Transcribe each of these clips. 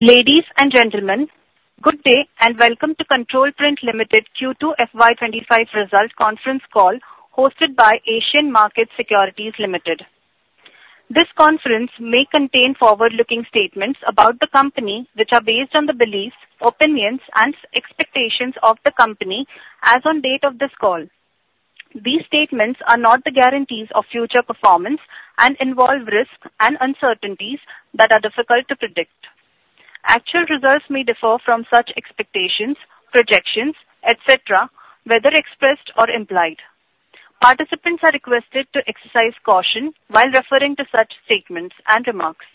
Ladies and gentlemen, good day, and welcome to Control Print Limited Q2 FY 2025 Results Conference Call, hosted by Asian Market Securities Limited. This conference may contain forward-looking statements about the company, which are based on the beliefs, opinions, and expectations of the company as on date of this call. These statements are not the guarantees of future performance and involve risks and uncertainties that are difficult to predict. Actual results may differ from such expectations, projections, et cetera, whether expressed or implied. Participants are requested to exercise caution while referring to such statements and remarks.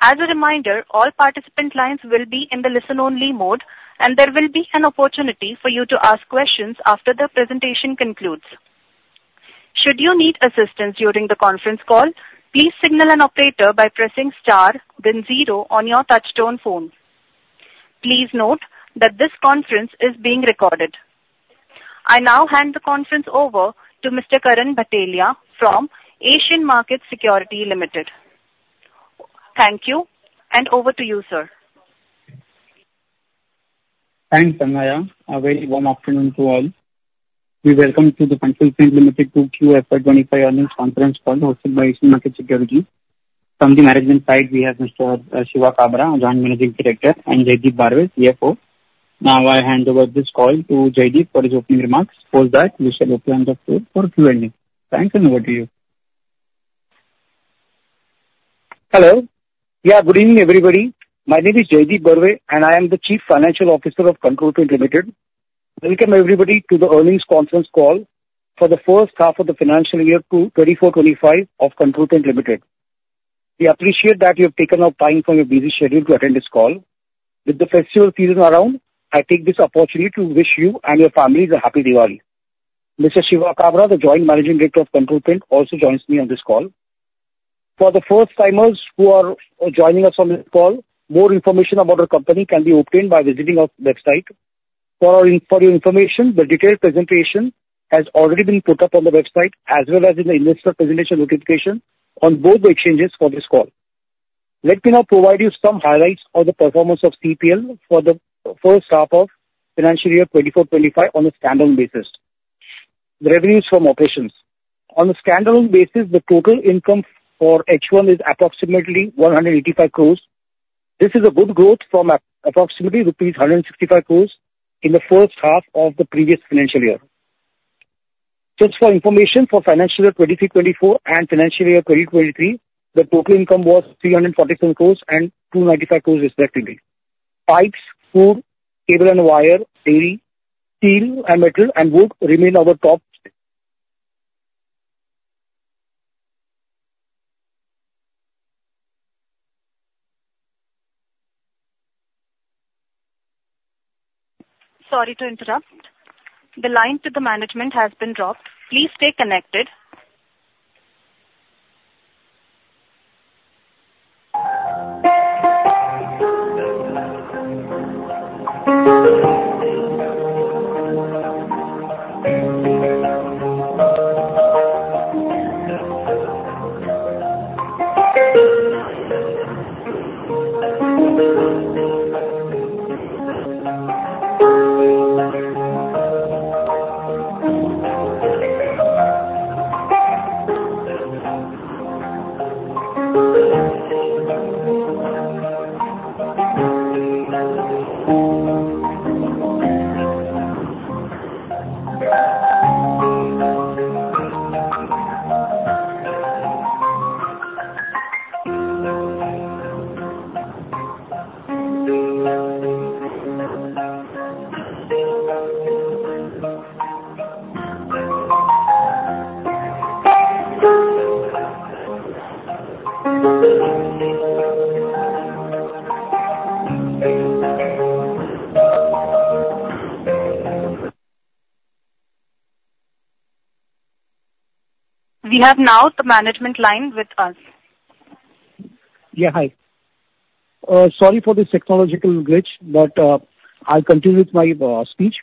As a reminder, all participant lines will be in the listen-only mode, and there will be an opportunity for you to ask questions after the presentation concludes. Should you need assistance during the conference call, please signal an operator by pressing star then zero on your touchtone phone. Please note that this conference is being recorded. I now hand the conference over to Mr. Karan Bhatia from Asian Market Securities Limited. Thank you, and over to you, sir. Thanks, Tanaya. A very warm afternoon to all. We welcome to the Control Print Limited Q2 FY25 earnings conference call, hosted by Asian Market Securities Limited. From the management side, we have Mr. Shiva Kabra, Joint Managing Director, and Jaideep Barve, CFO. Now I hand over this call to Jaideep for his opening remarks. After that, we shall open the floor for Q&A. Thanks, and over to you. Hello. Yeah, good evening, everybody. My name is Jaideep Barve, and I am the Chief Financial Officer of Control Print Limited. Welcome, everybody, to the earnings conference call for the first half of the financial year 2024, 2025 of Control Print Limited. We appreciate that you have taken out time from your busy schedule to attend this call. With the festival season around, I take this opportunity to wish you and your families a happy Diwali. Mr. Shiva Kabra, the Joint Managing Director of Control Print, also joins me on this call. For the first timers who are joining us on this call, more information about our company can be obtained by visiting our website. For your information, the detailed presentation has already been put up on the website, as well as in the investor presentation notification on both the exchanges for this call. Let me now provide you some highlights of the performance of CPL for the first half of financial year 2024-2025 on a standalone basis. Revenues from operations. On a standalone basis, the total income for H1 is approximately 185 crores. This is a good growth from approximately rupees 165 crores in the first half of the previous financial year. Just for information, for financial year 2023-2024 and financial year 2023, the total income was 347 crores and 295 crores respectively. Pipes, food, cable and wire, dairy, steel and metal and wood remain our top- Sorry to interrupt. The line to the management has been dropped. Please stay connected. We have now the management line with us. Yeah, hi. Sorry for this technological glitch, but I'll continue with my speech.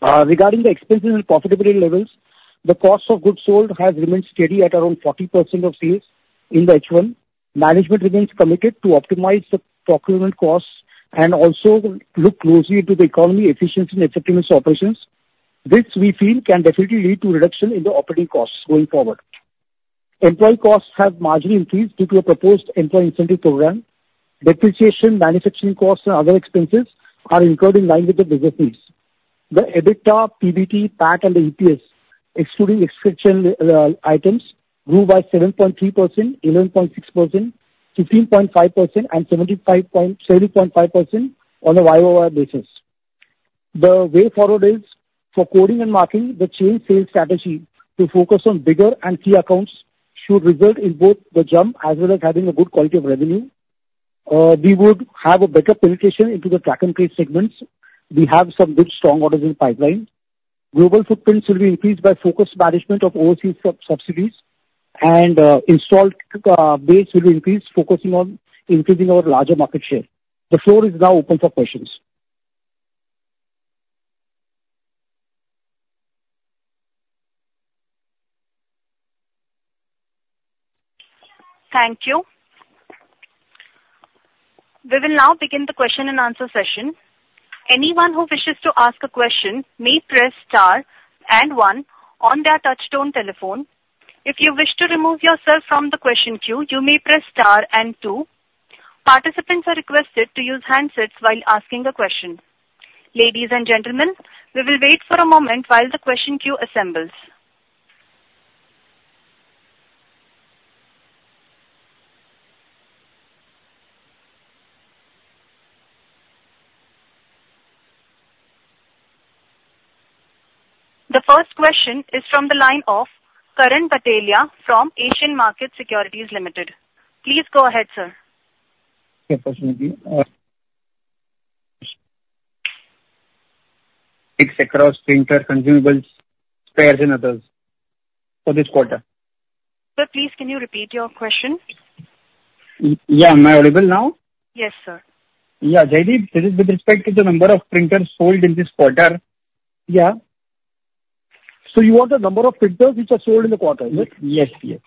Regarding the expenses and profitability levels, the cost of goods sold has remained steady at around 40% of sales in the H1. Management remains committed to optimize the procurement costs and also look closely into the economy, efficiency, and effectiveness of operations. This, we feel, can definitely lead to reduction in the operating costs going forward. Employee costs have marginally increased due to a proposed employee incentive program. Depreciation, manufacturing costs, and other expenses are incurred in line with the business needs. The EBITDA, PBT, PAT and EPS, excluding exception, items, grew by 7.3%, 11.6%, 15.5%, and 70.5% on a YoY basis. The way forward is for coding and marking, the change sales strategy to focus on bigger and key accounts should result in both the jump as well as having a good quality of revenue. We would have a better penetration into the track and trace segments. We have some good strong orders in the pipeline. Global footprints will be increased by focused management of overseas subsidiaries and installed base will increase, focusing on increasing our larger market share. The floor is now open for questions. ... Thank you. We will now begin the question and answer session. Anyone who wishes to ask a question may press star and one on their touchtone telephone. If you wish to remove yourself from the question queue, you may press star and two. Participants are requested to use handsets while asking the question. Ladies and gentlemen, we will wait for a moment while the question queue assembles. The first question is from the line of Karan Bhatia from Asian Market Securities Limited. Please go ahead, sir. Yeah, personally, mix across printer consumables, spares, and others for this quarter. Sir, please, can you repeat your question? Yeah. Am I audible now? Yes, sir. Yeah, Jaideep, this is with respect to the number of printers sold in this quarter. Yeah. So you want the number of printers which are sold in the quarter, right? Yes. Yes.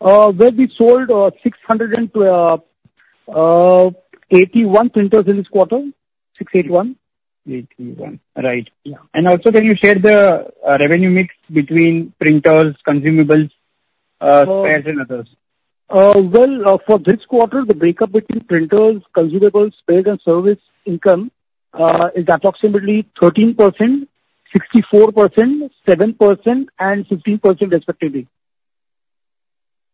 Well, we sold 681 printers in this quarter. 681. Eight one. Right. Yeah. Also, can you share the revenue mix between printers, consumables, spares, and others? Well, for this quarter, the breakup between printers, consumables, spares, and service income is approximately 13%, 64%, 7%, and 15% respectively.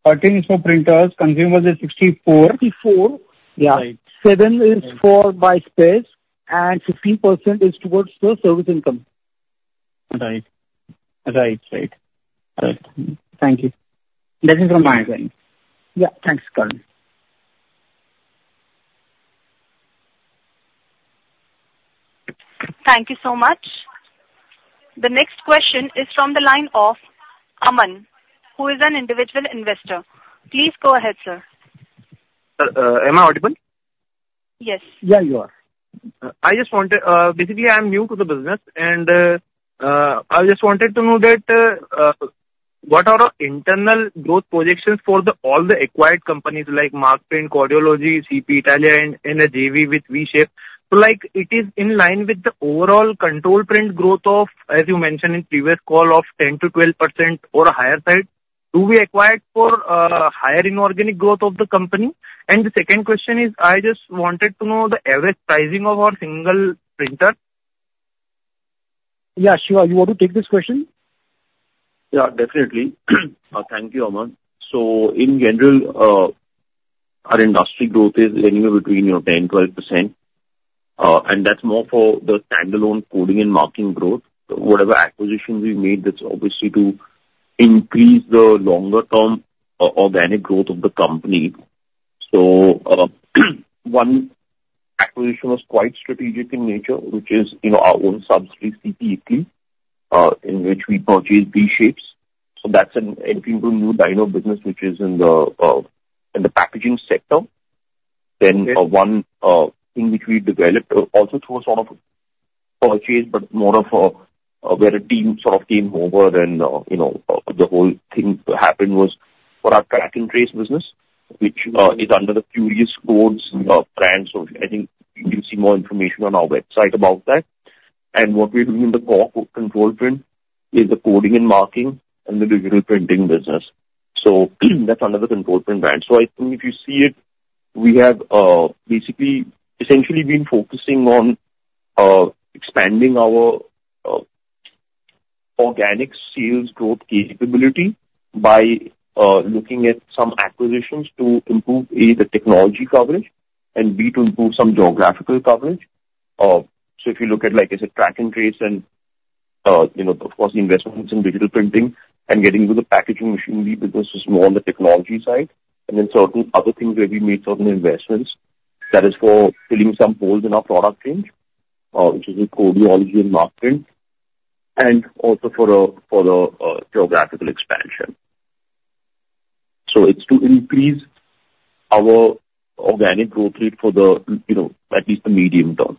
13 is for printers, consumables is 64. 64 yeah. Right. 7% is for spares, and 15% is towards the service income. Right. Thank you. That is from my end. Yeah. Thanks, Karan. Thank you so much. The next question is from the line of Aman, who is an individual investor. Please go ahead, sir. Sir, am I audible? Yes. Yeah, you are. I just wanted... basically, I'm new to the business, and, I just wanted to know that, what are our internal growth projections for all the acquired companies like Markprint, Codeology, CP Italia, and a JV with V-Shapes? So, like, it is in line with the overall Control Print growth of, as you mentioned in previous call, of 10-12% or higher side. Do we acquire for higher inorganic growth of the company? And the second question is, I just wanted to know the average pricing of our single printer. Yeah, Shiva, you want to take this question? Yeah, definitely. Thank you, Aman. So in general, our industry growth is anywhere between, you know, 10-12%, and that's more for the standalone coding and marking growth. Whatever acquisitions we've made, that's obviously to increase the longer term organic growth of the company. So, one acquisition was quite strategic in nature, which is, you know, our own subsidiary, CP Italy, in which we purchased V-Shapes. So that's an entry into a new line of business, which is in the, in the packaging sector. Then, one thing which we developed, also through a sort of purchase, but more of a, where a team sort of came over and, you know, the whole thing happened was for our track and trace business, which is under the Curious Codes brand. So I think you can see more information on our website about that. And what we're doing in the core of Control Print is the coding and marking and the digital printing business. So, that's under the Control Print brand. So I think if you see it, we have basically essentially been focusing on expanding our organic sales growth capability by looking at some acquisitions to improve, A, the technology coverage, and B, to improve some geographical coverage. So if you look at, like I said, track and trace and, you know, of course, the investments in digital printing and getting into the packaging machinery business is more on the technology side. And then certain other things where we made certain investments, that is for filling some holes in our product range, which is in Codeology and Markprint, and also for the geographical expansion. So it's to increase our organic growth rate for the, you know, at least the medium term.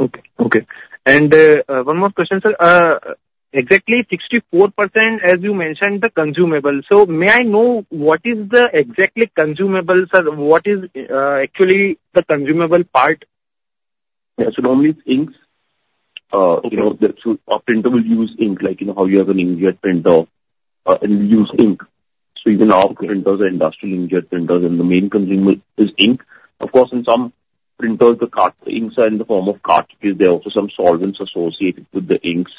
Okay. Okay. One more question, sir. Exactly 64%, as you mentioned, the consumables. So may I know what is the exactly consumables, or what is, actually the consumable part? Yeah. So normally it's inks. You know, that's so. A printer will use ink, like, you know, how you have an inkjet printer, it will use ink. So even our printers are industrial inkjet printers, and the main consumable is ink. Of course, in some printers, the cart- inks are in the form of cartridges. There are also some solvents associated with the inks.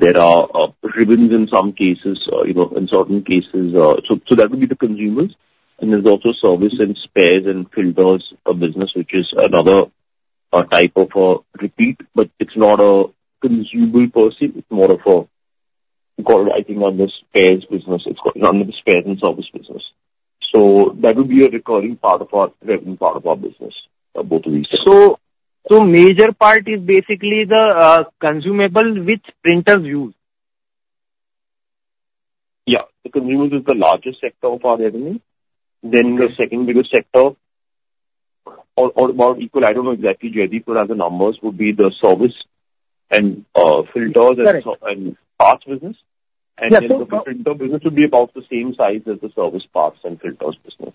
There are ribbons in some cases, you know, in certain cases. So that would be the consumables. And there's also service and spares and filters of business, which is another type of repeat, but it's not a consumable per se, it's more of a, we call it, I think, under spares business. It's under the spares and service business. So that would be a recurring part of our revenue, part of our business, both of these. So, major part is basically the consumable which printers use? Yeah, the consumables is the largest sector of our revenue. Then the second biggest sector—or about equal, I don't know exactly, Jaideep, but as the numbers would be the service and filters- Correct. and parts business. Yeah. The printer business would be about the same size as the service parts and filters business.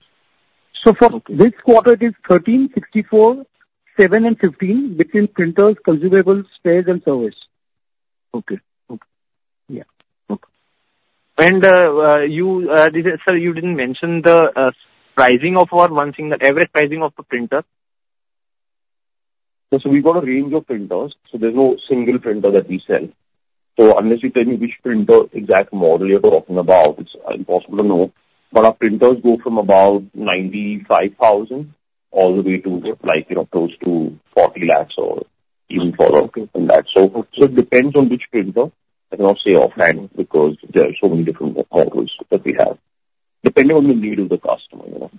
So for this quarter, it is 13, 64, seven and 15 between printers, consumables, spares and service. Okay. Okay. Yeah. Okay. You, Sir, you didn't mention the pricing or one thing, the average pricing of the printer. Yes, so we've got a range of printers, so there's no single printer that we sell. So unless you tell me which printer, exact model you're talking about, it's impossible to know. But our printers go from about 95,000 all the way to, like, you know, close to 40 lakhs or even further than that. Okay. So it depends on which printer. I cannot say offhand because there are so many different models that we have, depending on the need of the customer, you know?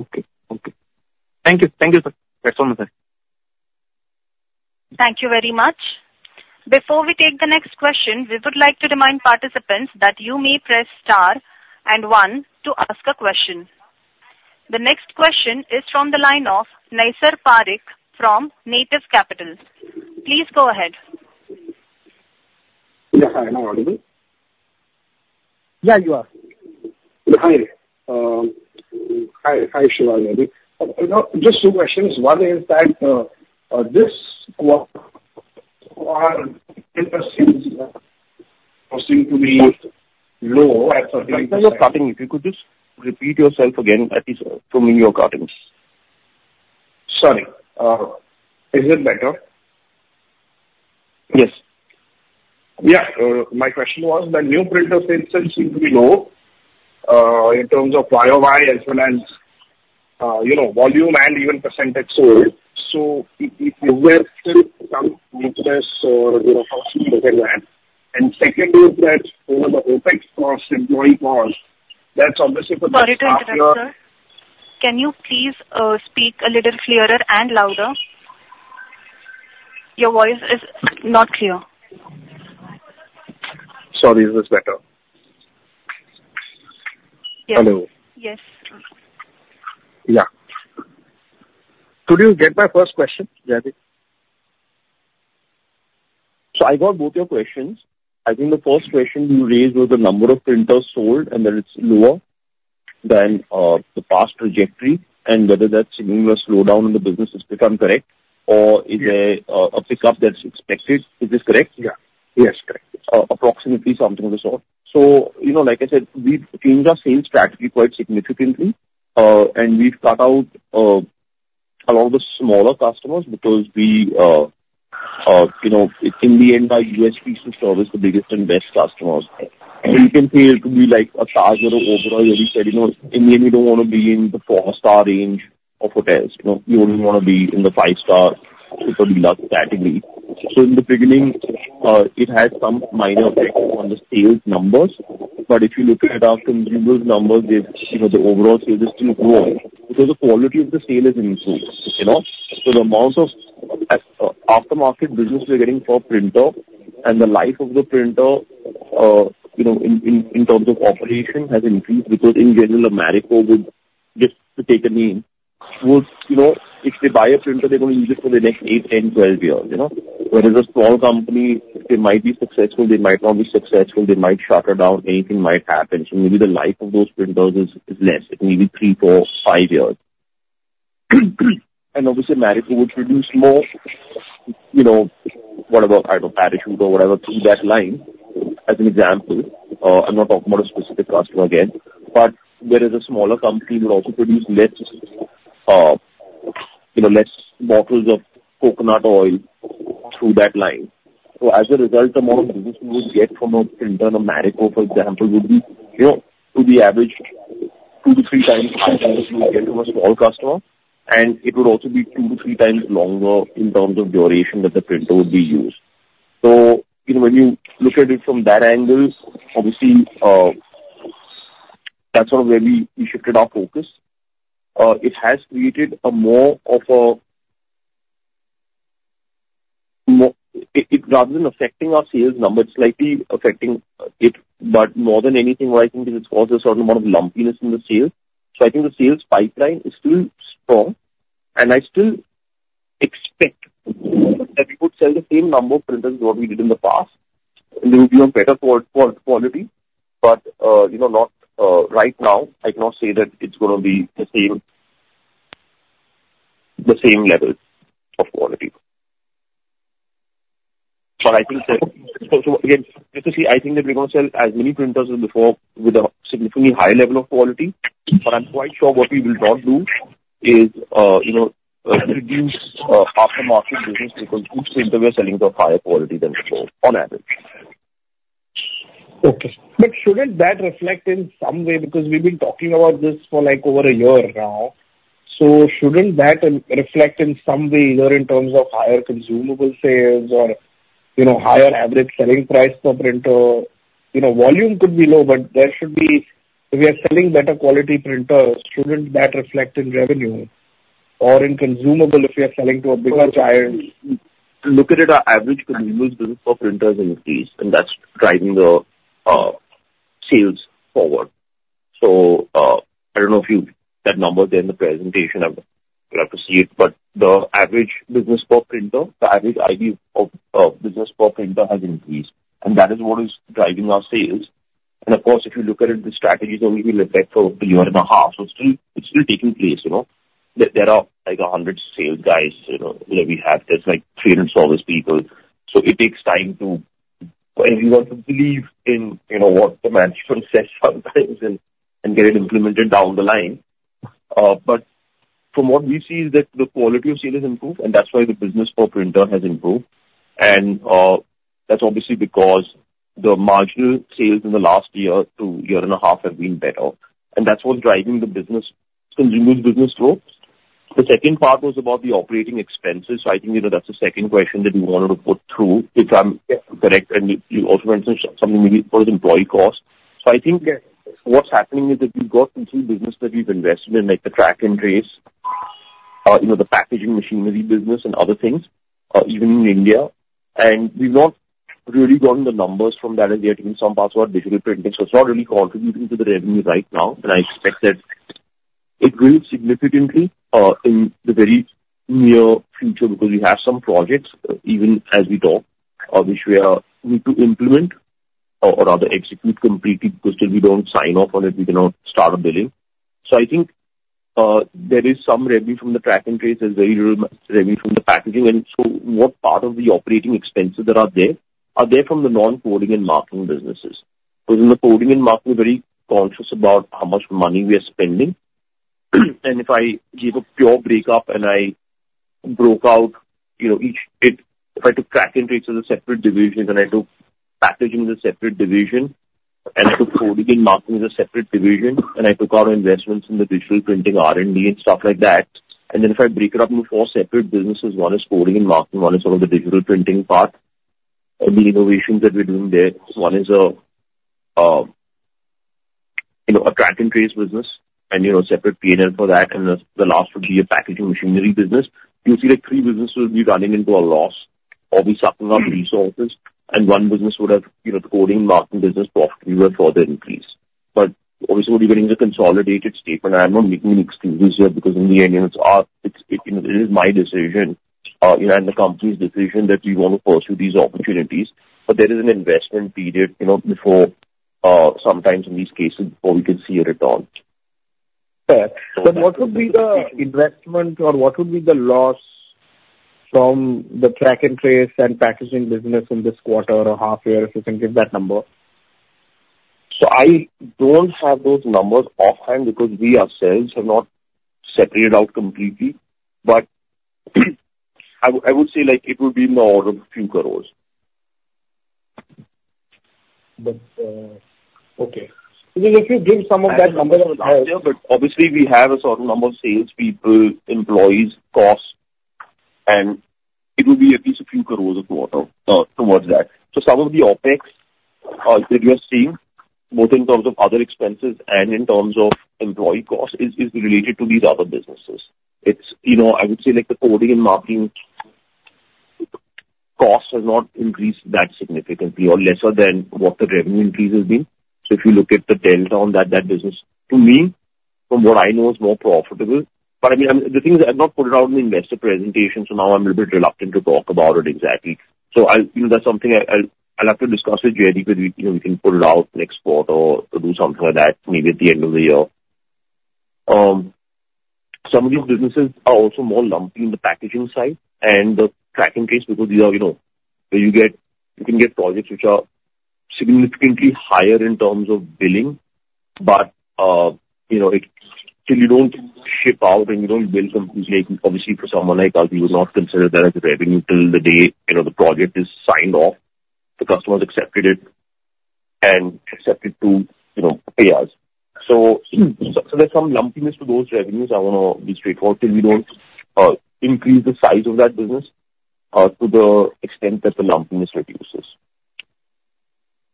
Okay. Okay. Thank you. Thank you, sir. That's all the time. Thank you very much. Before we take the next question, we would like to remind participants that you may press star and one to ask a question. The next question is from the line of Naisar Parikh from Native Capital. Please go ahead. Yeah. Hi, am I audible? Yeah, you are. Hi. Hi, Shiva here. You know, just two questions. One is that, this quarter seem to be low at- You are cutting. If you could just repeat yourself again, at least to me, you're cutting. Sorry. Is it better? Yes. Yeah. My question was the new printer sales seem to be low in terms of YOY as well as, you know, volume and even percentage sold. So if you were still to come into this or, you know, how soon is that? And secondly, that over the OpEx costs employment costs, that's obviously for the- Sorry to interrupt, sir. Can you please speak a little clearer and louder? Your voice is not clear. Sorry, is this better? Yes. Hello. Yes. Yeah. Could you get my first question, Jaideep? So I got both your questions. I think the first question you raised was the number of printers sold, and that it's lower than, the past trajectory and whether that's signaling a slowdown in the business is correct, or is there- Yeah. a pickup that's expected. Is this correct? Yeah. Yes, correct. Approximately something of the sort. So, you know, like I said, we've changed our sales strategy quite significantly, and we've cut out a lot of the smaller customers because we, you know, in the end, our business of service, the biggest and best customers. Okay. And you can say it could be like a charger or overall, we said, you know, in the end, we don't want to be in the four-star range of hotels, you know, we only want to be in the five-star super deluxe category. So in the beginning, it had some minor effects on the sales numbers, but if you look at it, after those numbers, they've, you know, the overall sales is still growing because the quality of the sale has improved, you know. So the amount of aftermarket business we're getting for printer and the life of the printer, you know, in terms of operation has increased because in general, Marico would, just to take a name, would, you know, if they buy a printer, they're going to use it for the next eight, 10,12 years, you know? Whereas asmall company, they might be successful, they might not be successful, they might shut it down, anything might happen. So maybe the life of those printers is less, it may be three, four, five years. And obviously, Marico would produce more, you know, whatever type of Parachute or whatever, through that line. As an example, I'm not talking about a specific customer again, but there is a smaller company would also produce less, you know, less bottles of coconut oil through that line. So as a result, the amount of business we would get from a printer, Marico, for example, would be, you know, to be averaged two to three times than we would get from a small customer, and it would also be two to three times longer in terms of duration that the printer would be used. So, you know, when you look at it from that angle, obviously, that's sort of where we shifted our focus. Rather than affecting our sales number, it's slightly affecting it, but more than anything, what I think is it's caused a certain amount of lumpiness in the sales. So I think the sales pipeline is still strong, and I still expect that we could sell the same number of printers as what we did in the past. They will be of better quality, but, you know, not right now, I cannot say that it's going to be the same level of quality. But I think that, so again, let's just say I think that we're going to sell as many printers as before with a significantly higher level of quality. But I'm quite sure what we will not do is, you know, reduce aftermarket business, because groups in the way are selling the higher quality than before on average. Okay. But shouldn't that reflect in some way? Because we've been talking about this for, like, over a year now. So shouldn't that reflect in some way, either in terms of higher consumable sales or, you know, higher average selling price per printer? You know, volume could be low, but there should be... If we are selling better quality printers, shouldn't that reflect in revenue or in consumable if we are selling to a bigger client? Look at it, our average consumable business for printers increased, and that's driving the sales forward. So, I don't know if you, that number there in the presentation, I would like to see it, but the average business per printer, the average ID of business per printer has increased, and that is what is driving our sales. Of course, if you look at it, the strategies that we've looked at for a year and a half, so it's still taking place, you know. There are, like, 100 sales guys, you know, that we have. There's, like, trade and service people. It takes time, and you want to believe in, you know, what the management says sometimes and get it implemented down the line. But from what we see is that the quality of sale has improved, and that's why the business per printer has improved. And that's obviously because the marginal sales in the last year to year and a half have been better, and that's what's driving the business, continued business growth. The second part was about the operating expenses. So I think, you know, that's the second question that you wanted to put through, if I'm correct, and you also mentioned something maybe for the employee cost. So I think what's happening is that we've got some new business that we've invested in, like the track and trace, you know, the packaging machinery business and other things, even in India. And we've not really gotten the numbers from that as yet, in some parts, what digital printing. So it's not really contributing to the revenue right now, and I expect that it will significantly in the very near future, because we have some projects even as we talk which we are yet to implement or, or rather execute completely, because till we don't sign off on it, we cannot start billing. So I think there is some revenue from the track and trace. There's very little revenue from the packaging. And so what part of the operating expenses that are there, are there from the non-coding and marking businesses? Because in the coding and marking, we're very conscious about how much money we are spending. If I give a pure breakup and I broke out, you know, each bit, if I took track and trace as a separate division and I took packaging as a separate division, and I took coding and marking as a separate division, and I took our investments in the digital printing, R&D and stuff like that, and then if I break it up into four separate businesses, one is coding and marking, one is all of the digital printing part, and the innovations that we're doing there. One is a, you know, a track and trace business, and, you know, separate P&L for that, and the last would be a packaging machinery business. You'll see that three businesses will be running into a loss or be sucking up resources, and one business would have, you know, the coding, marking business profitably will further increase. But obviously, we're getting the consolidated statement. I am not making any excuses here because in the end, you know, it's our. It you know, it is my decision, you know, and the company's decision that we want to pursue these opportunities. But there is an investment period, you know, before, sometimes in these cases, before we can see a return. Fair. But what would be the investment or what would be the loss from the track and trace and packaging business in this quarter or half year, if you can give that number? I don't have those numbers offhand because we ourselves have not separated out completely. But I would, I would say, like, it would be in the order of a few crores. But, okay. Well, if you give some of that numbers- But obviously, we have a certain number of sales people, employees, costs, and it will be at least a few crores of whatever towards that. So some of the OpEx that you're seeing, both in terms of other expenses and in terms of employee costs, is related to these other businesses. It's, you know, I would say, like, the coding and marking cost has not increased that significantly or lesser than what the revenue increase has been. So if you look at the delta on that, that business, to me, from what I know, is more profitable. But, I mean, the thing is, I've not put it out in the investor presentation, so now I'm a little bit reluctant to talk about it exactly. So I'll. You know, that's something I, I'll have to discuss with JD, because, you know, we can put it out next quarter or do something like that, maybe at the end of the year. Some of these businesses are also more lumpy in the packaging side and the track and trace, because these are, you know, where you get. You can get projects which are significantly higher in terms of billing, but, you know, it, till you don't ship out and you don't bill them, obviously, for someone like us, we would not consider that as a revenue till the day, you know, the project is signed off, the customer has accepted it and accepted to, you know, pay us. So there's some lumpiness to those revenues.I want to be straightforward, till we don't increase the size of that business to the extent that the lumpiness reduces.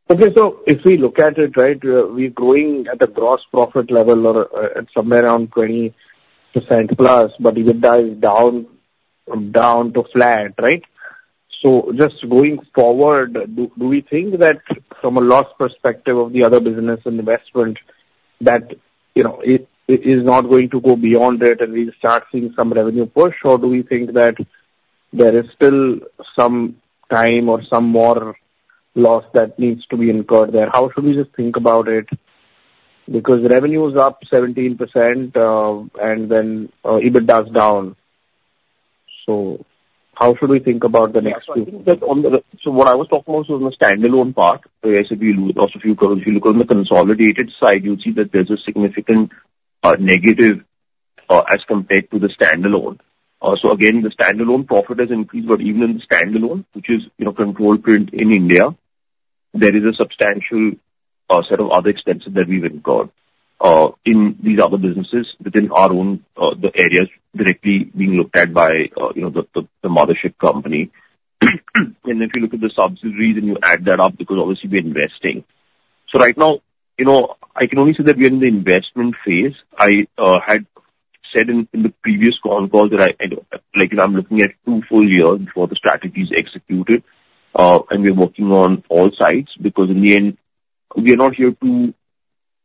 Okay, so if we look at it, right, we're growing at a gross profit level or, at somewhere around 20% plus, but the EBITDA is down to flat, right? So just going forward, do we think that from a loss perspective of the other business investment, that, you know, it is not going to go beyond it and we'll start seeing some revenue push? Or do we think that there is still some time or some more loss that needs to be incurred there? How should we just think about it? Because revenue is up 17%, and then, EBITDA is down. So how should we think about the next- Yeah, so I think that on the standalone part. So what I was talking about was on the standalone part. So yes, if you lose, also, if you go, if you look on the consolidated side, you'll see that there's a significant negative as compared to the standalone. So again, the standalone profit has increased, but even in the standalone, which is, you know, Control Print in India, there is a substantial set of other expenses that we've incurred in these other businesses within our own the areas directly being looked at by, you know, the mothership company. And if you look at the subsidiaries and you add that up, because obviously we're investing. So right now, you know, I can only say that we are in the investment phase. I had-... said in the previous con call that I, like, I'm looking at two full years before the strategy is executed, and we're working on all sides, because in the end, we are not here to, you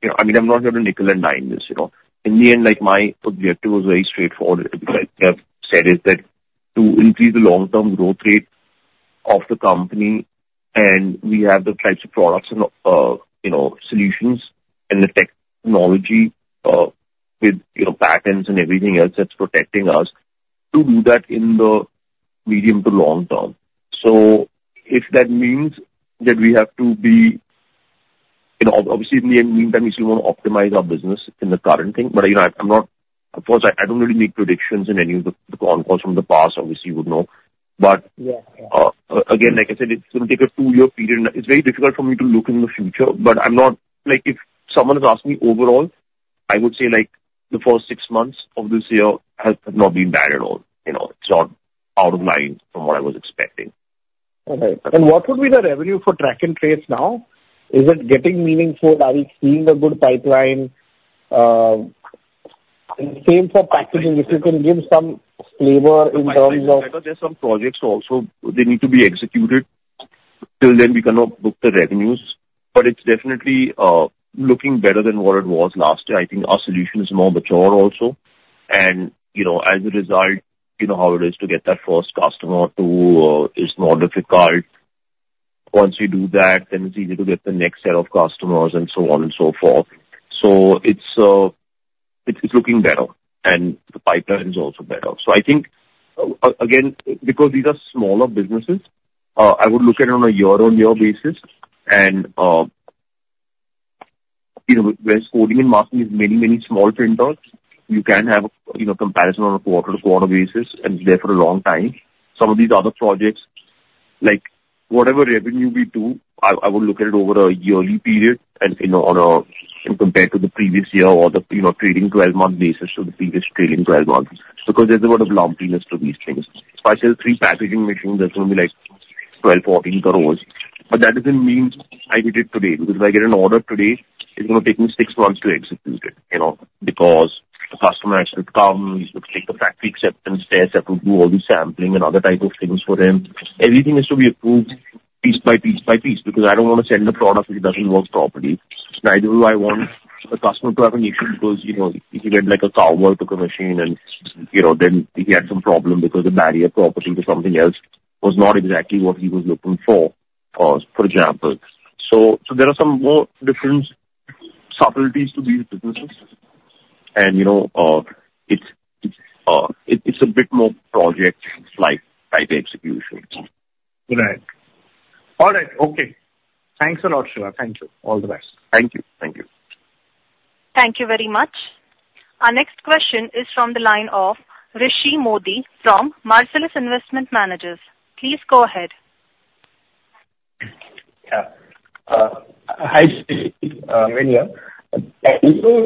know, I mean, I'm not here to nickel and dime this, you know? In the end, like, my objective was very straightforward, because like I've said, is that to increase the long-term growth rate of the company, and we have the types of products and, you know, solutions and the technology, with, you know, patents and everything else that's protecting us, to do that in the medium to long term. So if that means that we have to be... You know, obviously, in the meantime, we still want to optimize our business in the current thing, but, you know, I, I'm not, of course, I don't really make predictions in any of the con calls from the past, obviously, you would know. But- Yeah. Again, like I said, it's going to take a two-year period, and it's very difficult for me to look in the future, but I'm not, like, if someone has asked me overall, I would say, like, the first six months of this year has not been bad at all. You know, it's not out of line from what I was expecting. All right. And what would be the revenue for track and trace now? Is it getting meaningful? Are you seeing a good pipeline, and same for packaging, if you can give some flavor in terms of- There are some projects also; they need to be executed. Till then, we cannot book the revenues, but it's definitely looking better than what it was last year. I think our solution is more mature also and, you know, as a result, you know how it is to get that first customer or two is more difficult. Once you do that, then it's easier to get the next set of customers, and so on and so forth. So it's looking better, and the pipeline is also better. So I think, again, because these are smaller businesses, I would look at it on a year-on-year basis and, you know, whereas coding and marking is many, many small printers, you can have, you know, comparison on a quarter-to-quarter basis, and there for a long time. Some of these other projects, like, whatever revenue we do, I would look at it over a yearly period and, you know, on a compared to the previous year or the, you know, trading 12-month basis to the previous trading 12 months, because there's a lot of lumpiness to these things. If I sell three packaging machines, that's going to be, like, 12 crores-14 crores, but that doesn't mean I did it today, because if I get an order today, it's going to take me six months to execute it, you know, because the customer has to come, he should take the Factory Acceptance Test. I have to do all the sampling and other type of things for him. Everything is to be approved piece by piece by piece, because I don't want to send a product which doesn't work properly. Neither do I want the customer to have an issue because, you know, he did, like, a power to the machine and, you know, then he had some problem because the barrier property to something else was not exactly what he was looking for, for example. So, so there are some more different subtleties to these businesses and, you know, it's, it's a bit more project like type execution. Right. All right. Okay. Thanks a lot, Shiva. Thank you. All the best. Thank you. Thank you. Thank you very much. Our next question is from the line of Rishi Modi from Marcellus Investment Managers. Please go ahead. Yeah. Hi, Shiva. Can you elaborate on the new employee incentive program which you referred to in your opening remarks? What is this about? I didn't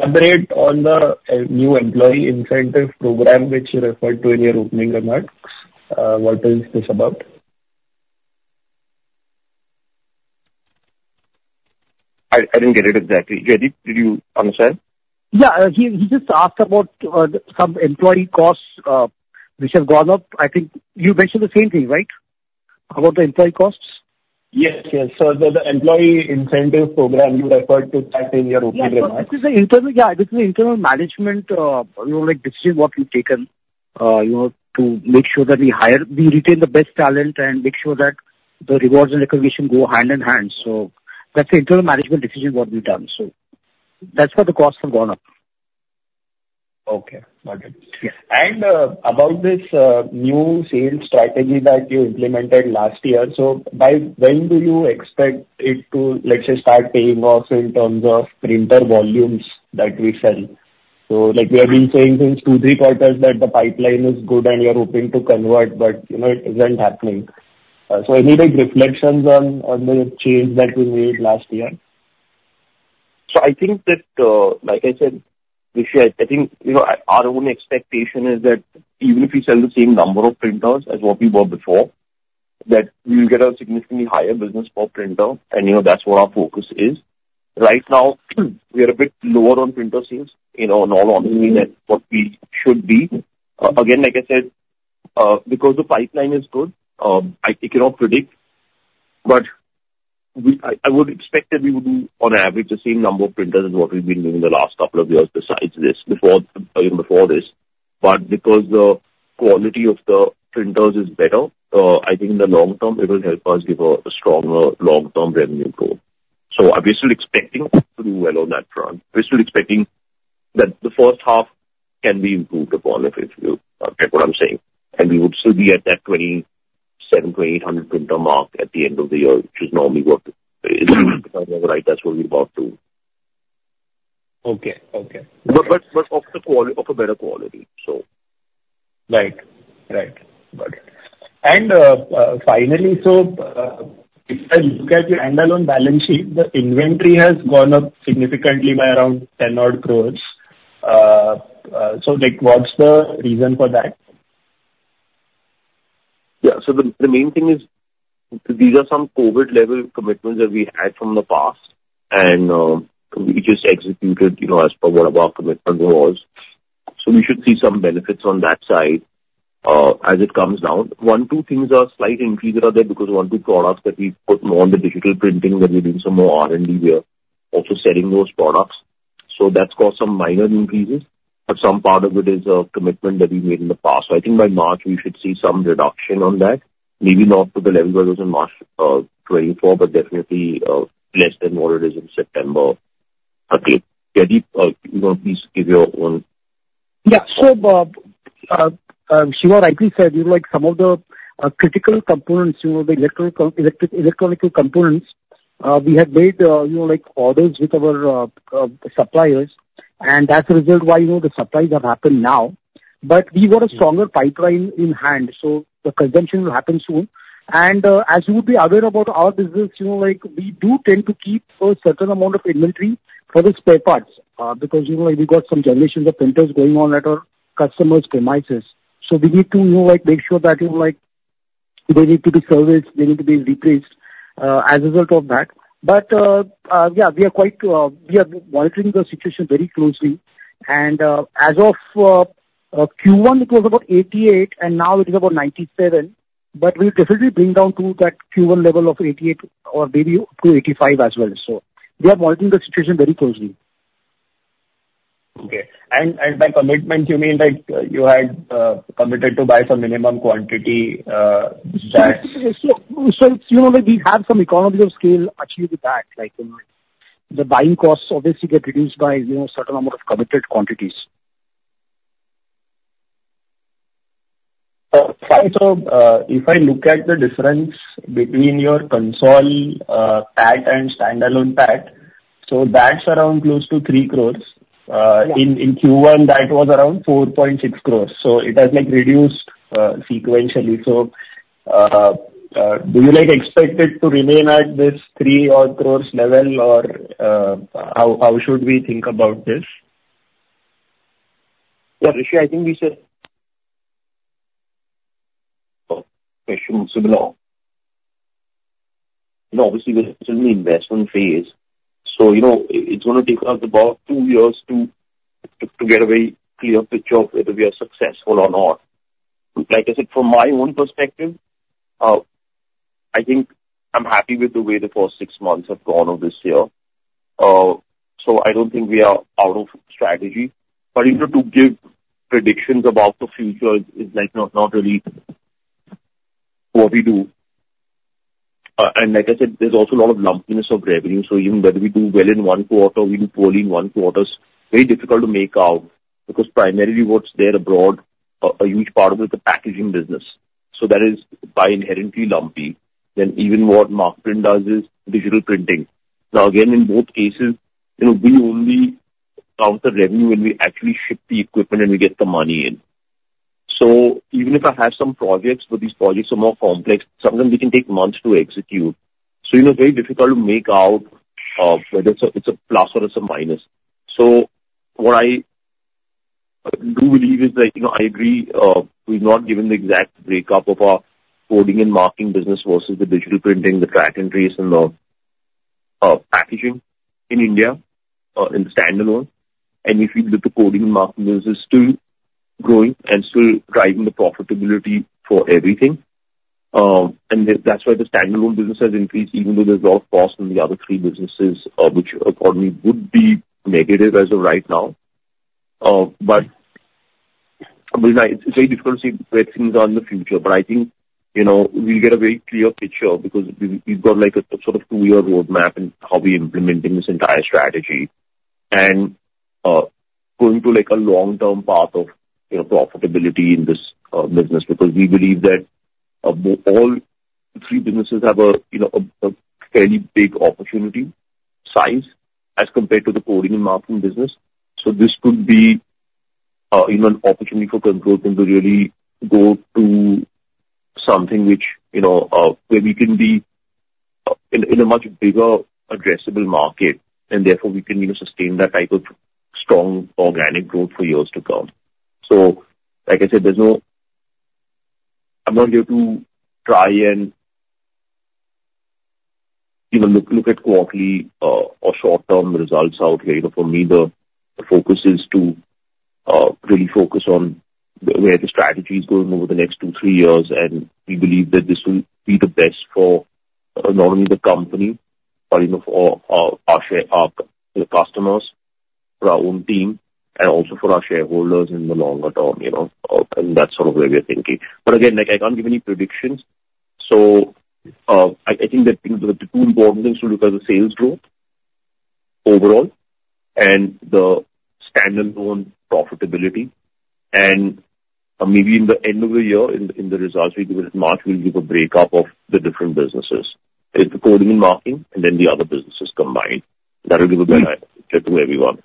get it exactly. Jaideep, did you understand? Yeah, he just asked about some employee costs, which have gone up. I think you mentioned the same thing, right? About the employee costs. Yes, yes. So the employee incentive program you referred to that in your opening remarks. Yeah, this is an internal management, you know, like, decision what we've taken, you know, to make sure that we hire, we retain the best talent and make sure that the rewards and recognition go hand in hand. So that's the internal management decision what we've done, so that's why the costs have gone up. Okay. Got it. Yeah. About this new sales strategy that you implemented last year, so by when do you expect it to, let's say, start paying off in terms of printer volumes that we sell? So, like, we have been saying since two, three quarters that the pipeline is good and you're hoping to convert, but, you know, it isn't happening. So any, like, reflections on the change that we made last year? So I think that, like I said, Rishi, I think, you know, our own expectation is that even if we sell the same number of printers as what we were before, that we will get a significantly higher business per printer, and, you know, that's what our focus is. Right now, we are a bit lower on printer sales, you know, in all honesty, than what we should be. Again, like I said, because the pipeline is good, I cannot predict, but I, I would expect that we would do on average the same number of printers as what we've been doing in the last couple of years, besides this, before, even before this. But because the quality of the printers is better, I think in the long term, it will help us give a stronger long-term revenue growth. So are we still expecting to do well on that front? We're still expecting that the first half can be improved upon, if you get what I'm saying, and we would still be at that 27-800 printer mark at the end of the year, which is normally what it is. If I'm right, that's what we're about to. Okay. Okay. But of a better quality, so. Right. Right. Got it. And, finally, so, if I look at your standalone balance sheet, the inventory has gone up significantly by around 10 odd crores. So, like, what's the reason for that? ... Yeah, so the main thing is, these are some COVID level commitments that we had from the past, and we just executed, you know, as per what our commitment was. So we should see some benefits on that side, as it comes down. One, two things are slight increases are there, because one, two products that we put more on the digital printing, that we're doing some more R&D, we are also selling those products. So that's caused some minor increases, but some part of it is a commitment that we made in the past. So I think by March, we should see some reduction on that. Maybe not to the level where it was in March 2024, but definitely, less than what it is in September. Jaideep, you want to please give your own? Yeah. So, Shiva rightly said, you know, like, some of the critical components, you know, the electrical components, we had made, you know, like, orders with our suppliers, and as a result, you know, the supplies have happened now. But we've got a stronger pipeline in hand, so the consumption will happen soon. And, as you would be aware about our business, you know, like, we do tend to keep a certain amount of inventory for the spare parts, because, you know, like, we got some generations of printers going on at our customers' premises. So we need to, you know, like, make sure that, you know, like, they need to be serviced, they need to be replaced, as a result of that. But yeah, we are monitoring the situation very closely and as of Q1, it was about 88, and now it is about 97, but we'll definitely bring down to that Q1 level of 88 or maybe to 85 as well so we are monitoring the situation very closely. Okay. And by commitment, you mean that you had committed to buy some minimum quantity, that- So, you know, like, we have some economies of scale actually with that, like, you know, the buying costs obviously get reduced by, you know, certain amount of committed quantities. Fine. So, if I look at the difference between your consolidated PAT and standalone PAT, so that's around close to three crores. Yeah. In Q1, that was around 4.6 crores, so it has, like, reduced sequentially. So, do you, like, expect it to remain at this three odd crores level, or, how should we think about this? Yeah, Rishi, I think we should. Oh, question also below. You know, obviously, we're still in the investment phase, so, you know, it's gonna take us about two years to get a very clear picture of whether we are successful or not. Like I said, from my own perspective, I think I'm happy with the way the first six months have gone of this year. So I don't think we are out of strategy, but, you know, to give predictions about the future is, like, not really what we do. And like I said, there's also a lot of lumpiness of revenue, so even whether we do well in one quarter, we do poorly in one quarters, very difficult to make out, because primarily what's there abroad, a huge part of it, the packaging business, so that is by inherently lumpy. Then even what Markprint does is digital printing. Now, again, in both cases, you know, we only count the revenue when we actually ship the equipment and we get the money in. So even if I have some projects, but these projects are more complex, sometimes they can take months to execute. So, you know, very difficult to make out, whether it's a plus or it's a minus. So what I do believe is that, you know, I agree, we've not given the exact breakup of our Coding and Marking business versus the digital printing, the Track and Trace and the packaging in India in the standalone. And if you look at the Coding and Marking business, is still growing and still driving the profitability for everything. And that's why the standalone business has increased, even though there's a lot of costs in the other three businesses, which according would be negative as of right now. But, I mean, it's very difficult to see where things are in the future. But I think, you know, we'll get a very clear picture because we've got, like, a sort of two-year roadmap in how we implementing this entire strategy. And going to, like, a long-term path of, you know, profitability in this business, because we believe that the all three businesses have a, you know, a fairly big opportunity size as compared to the Coding and Marking business. So this could be, you know, an opportunity for Control Print to really go to something which, you know, where we can be in a much bigger addressable market, and therefore we can, you know, sustain that type of strong organic growth for years to come. So, like I said, there's no... I'm not here to try and, you know, look at quarterly or short-term results out here. You know, for me, the focus is to really focus on where the strategy is going over the next two, three years, and we believe that this will be the best for not only the company, but you know, for our shareholders, the customers, for our own team, and also for our shareholders in the longer term, you know, and that's sort of where we are thinking. Again, like, I can't give any predictions. I think that the two important things to look at are the sales growth overall and the standalone profitability, and maybe in the end of the year, in the results we give in March, we'll give a breakup of the different businesses. There's the coding and marking, and then the other businesses combined. That'll give a better picture to everyone.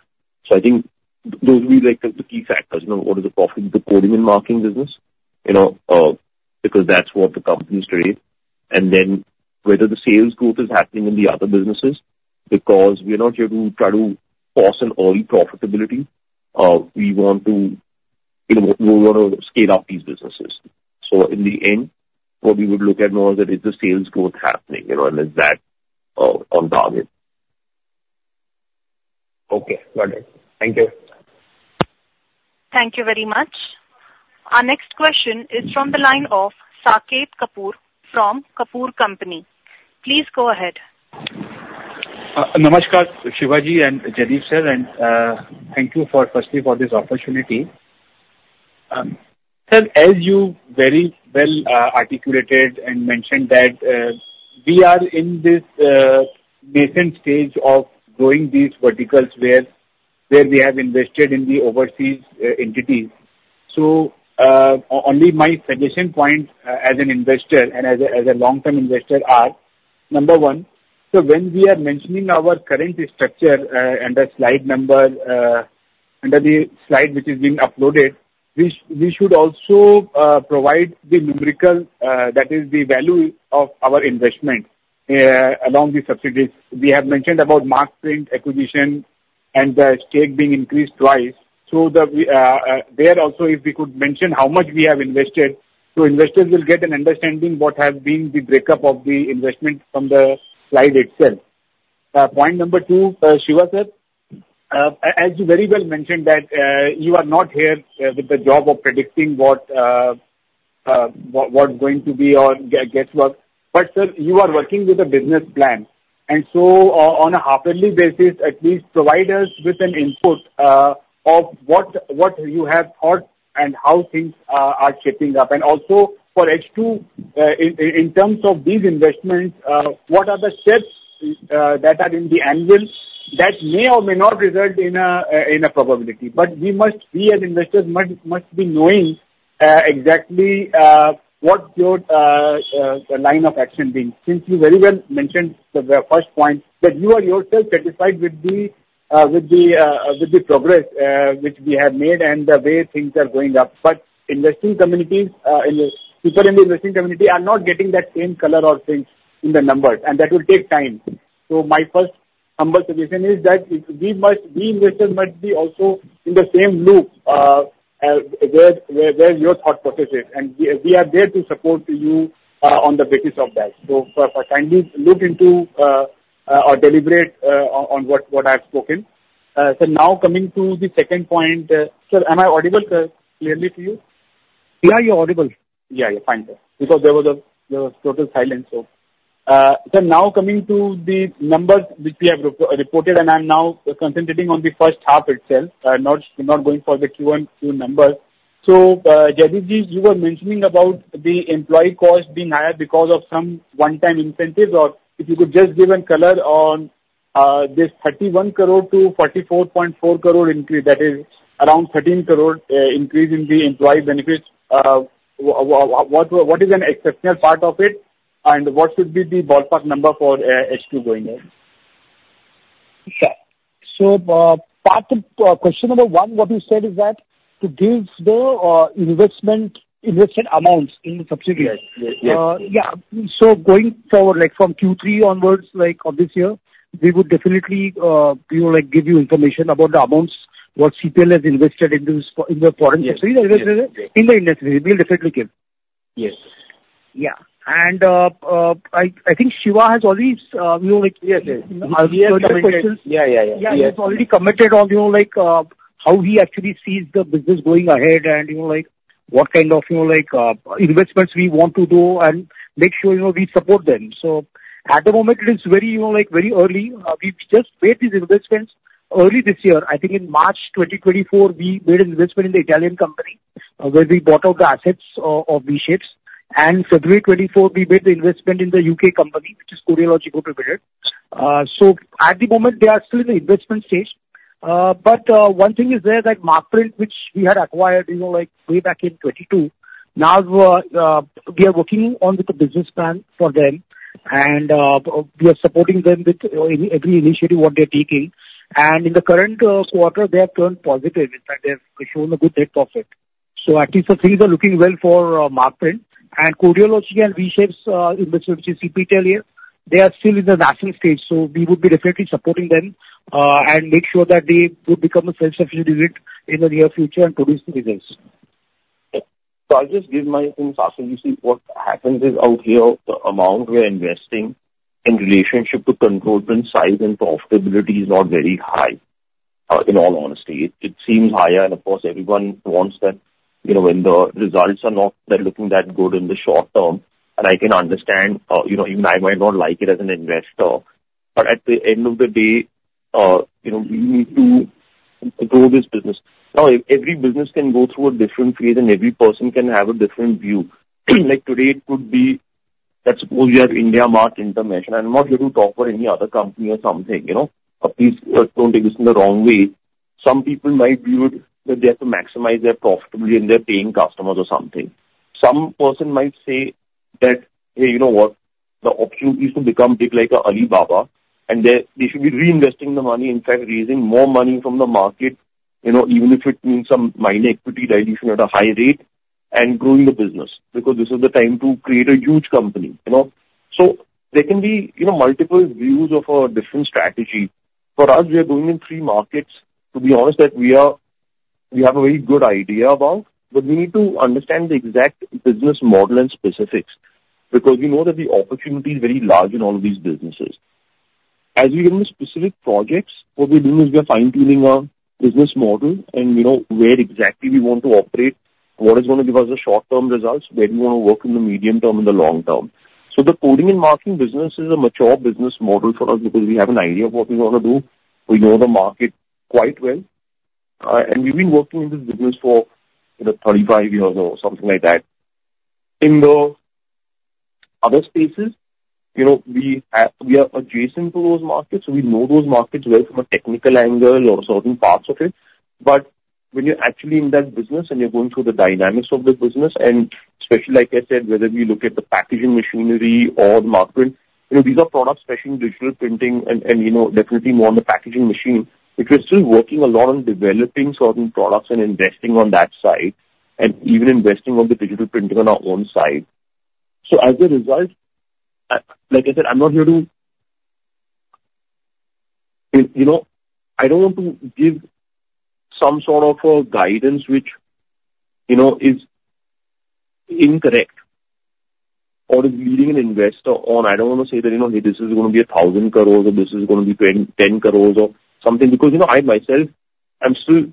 So I think those will be, like, the key factors, you know, what is the profit, the coding and marking business, you know, because that's what the company is today. And then whether the sales growth is happening in the other businesses, because we are not here to try to force an early profitability. We want to, you know, we want to scale up these businesses. So in the end, what we would look at now is that is the sales growth happening, you know, and is that on target? Okay, got it. Thank you. Thank you very much. Our next question is from the line of Saket Kapoor from Kapoor Company. Please go ahead. Namaskar, Shiva and Jaideep, sir, and thank you for, firstly, for this opportunity. Sir, as you very well articulated and mentioned that we are in this nascent stage of growing these verticals where we have invested in the overseas entities. So only my suggestion point as an investor and as a long-term investor are: number one, so when we are mentioning our current structure under the slide which is being uploaded, we should also provide the numerical, that is, the value of our investment along the subsidiaries. We have mentioned about Markprint acquisition and the stake being increased twice. So that we there also, if we could mention how much we have invested, so investors will get an understanding what has been the breakup of the investment from the slide itself. Point number two, Shiva sir, as you very well mentioned that you are not here with the job of predicting what’s going to be or guess what, but sir, you are working with a business plan, and so on a half-yearly basis, at least provide us with an input of what you have thought and how things are shaping up, and also for H2 in terms of these investments, what are the steps that are in the annual that may or may not result in a probability? But we as investors must be knowing exactly what your line of action being. Since you very well mentioned the first point, that you are yourself satisfied with the progress which we have made and the way things are going up. But people in the investing community are not getting that same color or things in the numbers, and that will take time. So my first humble suggestion is that we investors must be also in the same loop where your thought process is, and we are there to support you on the basis of that. So kindly look into or deliberate on what I've spoken. So now coming to the second point. Sir, am I audible, sir, clearly to you? Yeah, you're audible. Yeah, yeah. Fine, sir. Because there was total silence, so. So now coming to the numbers which we have re-reported, and I'm now concentrating on the first half itself, not going for the Q1, Q2 numbers. So, Jaideep, you were mentioning about the employee cost being higher because of some one-time incentives. Or if you could just give a color on this 31 crore-44.4 crore increase, that is around 13 crore increase in the employee benefits. What is the exceptional part of it, and what should be the ballpark number for H2 going in? Sure. So, part, question number one, what you said is that to give the investment amounts in the subsidiary. Yes. Yes, yes. Yeah. So going forward, like from Q3 onwards, like of this year, we would definitely, you know, like, give you information about the amounts, what CPL has invested in this, in the foreign- Yes. In the industry. We'll definitely give. Yes. Yeah, and I think Shiva has always, you know, like- Yes, yes. -Yeah, yeah, yeah. Yeah, he's already committed on, you know, like, how he actually sees the business going ahead and, you know, like, what kind of, you know, like, investments we want to do and make sure, you know, we support them. So at the moment, it is very, you know, like, very early. We've just made these investments early this year. I think in March 2024, we made an investment in the Italian company, where we bought out the assets of V-Shapes. And February 2024, we made the investment in the UK company, which is Codeology Incorporated. So at the moment, they are still in the investment stage. But one thing is there, that Markprint, which we had acquired, you know, like way back in 2022, now we are working on with the business plan for them, and we are supporting them with any every initiative what they're taking. And in the current quarter, they have turned positive. In fact, they have shown a good net profit. So at least the things are looking well for Markprint and Codeology and V-Shapes investment, which is CPL. They are still in the nascent stage, so we would be definitely supporting them and make sure that they do become a self-sufficient unit in the near future and produce the results. I'll just give my INR 2 cents. So you see, what happens is out here, the amount we're investing in relationship to Control Print size and profitability is not very high, in all honesty. It seems higher, and of course, everyone wants that, you know, when the results are not looking that good in the short term, and I can understand, you know, even I might not like it as an investor, but at the end of the day, you know, we need to grow this business. Now, every business can go through a different phase, and every person can have a different view. Like today, it could be that suppose you have India Mart International. I'm not here to talk for any other company or something, you know? Please, don't take this in the wrong way. Some people might view it that they have to maximize their profitability and they're paying customers or something. Some person might say that, "Hey, you know what? The opportunity is to become big like a Alibaba, and they, they should be reinvesting the money, in fact, raising more money from the market. You know, even if it means some minor equity dilution at a high rate and growing the business, because this is the time to create a huge company, you know? So there can be, you know, multiple views of a different strategy. For us, we are going in three markets. To be honest, that we are, we have a very good idea about, but we need to understand the exact business model and specifics, because we know that the opportunity is very large in all of these businesses. As we go into specific projects, what we're doing is we are fine-tuning our business model and we know where exactly we want to operate, what is going to give us the short-term results, where do we want to work in the medium term and the long term, so the coding and marking business is a mature business model for us because we have an idea of what we want to do. We know the market quite well, and we've been working in this business for 35 years or something like that. In the other spaces, you know, we are adjacent to those markets, so we know those markets well from a technical angle or certain parts of it. But when you're actually in that business and you're going through the dynamics of the business, and especially like I said, whether we look at the packaging machinery or the market, you know, these are products, especially in digital printing and you know, definitely more on the packaging machine, which we're still working a lot on developing certain products and investing on that side, and even investing on the digital printing on our own side. So as a result, like I said, I'm not here to... You know, I don't want to give some sort of a guidance which, you know, is incorrect or is leading an investor on. I don't want to say that, you know, this is gonna be a thousand crores or this is gonna be ten, ten crores or something, because, you know, I myself, I'm still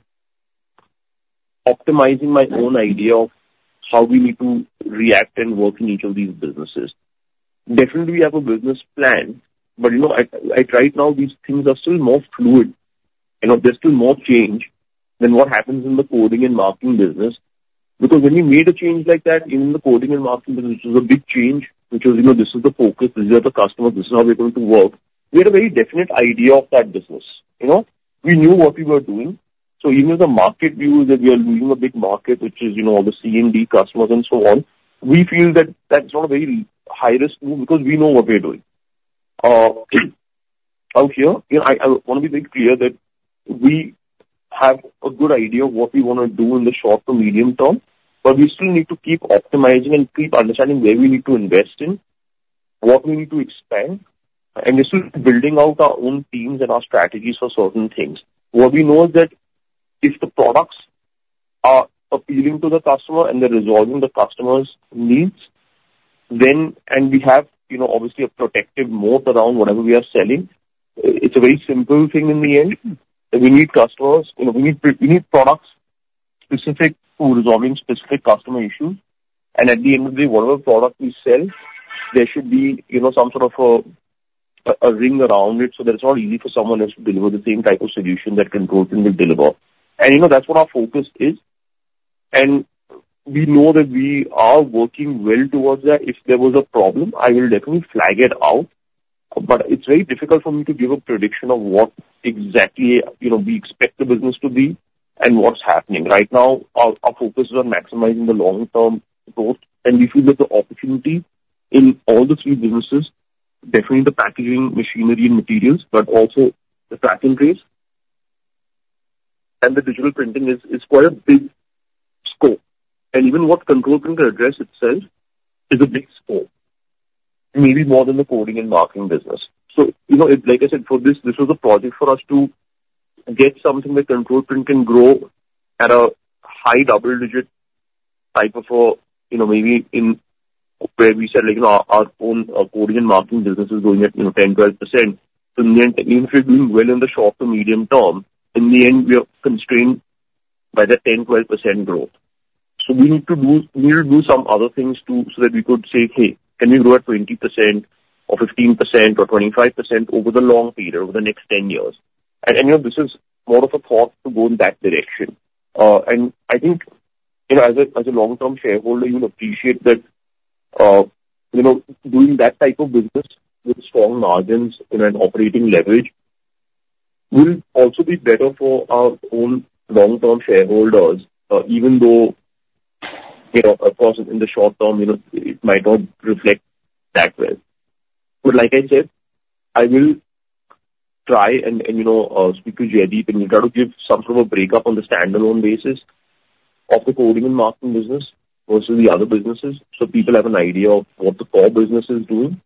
optimizing my own idea of how we need to react and work in each of these businesses. Definitely, we have a business plan, but, you know, I, I, right now, these things are still more fluid and there's still more change than what happens in the coding and marking business. Because when we made a change like that in the coding and marking business, which was a big change, which was, you know, this is the focus, these are the customers, this is how we're going to work, we had a very definite idea of that business, you know? We knew what we were doing. So even the market view that we are losing a big market, which is, you know, all the C&D customers and so on, we feel that that's not a very high risk move because we know what we're doing. Out here, you know, I wanna be very clear that we have a good idea of what we wanna do in the short to medium term, but we still need to keep optimizing and keep understanding where we need to invest in, what we need to expand, and we're still building out our own teams and our strategies for certain things. What we know is that if the products are appealing to the customer and they're resolving the customer's needs, then... and we have, you know, obviously a protective moat around whatever we are selling. It's a very simple thing in the end, and we need customers, you know, we need, we need products specific to resolving specific customer issues, and at the end of the day, whatever product we sell, there should be, you know, some sort of a ring around it, so that it's not easy for someone else to deliver the same type of solution that Control Print will deliver, and, you know, that's what our focus is, and we know that we are working well towards that. If there was a problem, I will definitely flag it out, but it's very difficult for me to give a prediction of what exactly, you know, we expect the business to be and what's happening. Right now, our focus is on maximizing the long-term growth, and we feel that the opportunity in all three businesses, definitely the packaging machinery and materials, but also the track and trace and the digital printing is quite a big scope. And even what Control Print address itself is a big scope, maybe more than the coding and marking business. So, you know, like I said, for this, this was a project for us to get something that Control Print can grow at a high double digit type of a, you know, maybe in where we said, like, our own coding and marking business is growing at, you know, 10%-12%. So then, if we're doing well in the short to medium term, in the end, we are constrained by the 10%-12% growth. So we need to do some other things too, so that we could say, "Hey, can we grow at 20% or 15% or 25% over the long period, over the next ten years?" And, you know, this is more of a thought to go in that direction. And I think, you know, as a long-term shareholder, you'll appreciate that, you know, doing that type of business with strong margins and an operating leverage will also be better for our own long-term shareholders, even though, you know, of course, in the short term, you know, it might not reflect that well. But like I said, I will try and you know, speak to Jaideep, and he'll try to give some sort of a break-up on the standalone basis of the Coding and Marking business versus the other businesses, so people have an idea of what the core business is doing,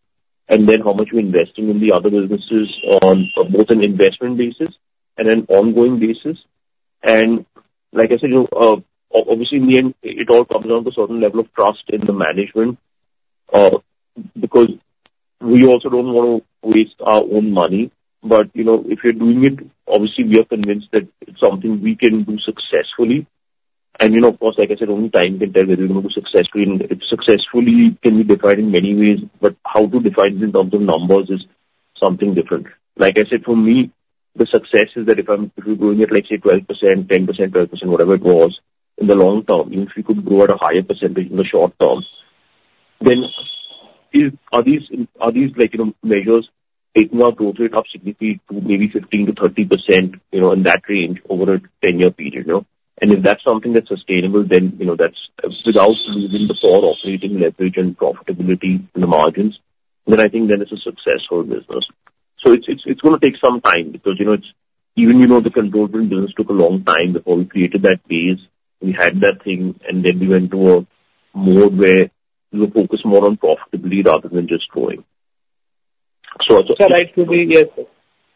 and then how much we're investing in the other businesses on both an investment basis and an ongoing basis. Like I said, you know, obviously, in the end, it all comes down to a certain level of trust in the management, because we also don't want to waste our own money. You know, if you're doing it, obviously, we are convinced that it's something we can do successfully. You know, of course, like I said, only time can tell whether you're gonna do successfully. Successfully can be defined in many ways, but how to define it in terms of numbers is something different. Like I said, for me, the success is that if I'm, if we're growing at, let's say, 12%, 10%, 12%, whatever it was, in the long term, if we could grow at a higher percentage in the short term, then, are these, are these like, you know, measures taking our growth rate up significantly to maybe 15%-30%, you know, in that range over a 10-year period, you know? And if that's something that's sustainable, then, you know, that's without losing the core operating leverage and profitability in the margins. Then I think then it's a successful business. So it's gonna take some time because, you know, it's even, you know, the Control Print business took a long time before we created that base. We had that thing, and then we went to a mode where we were focused more on profitability rather than just growing. So- Sir, I totally, yes.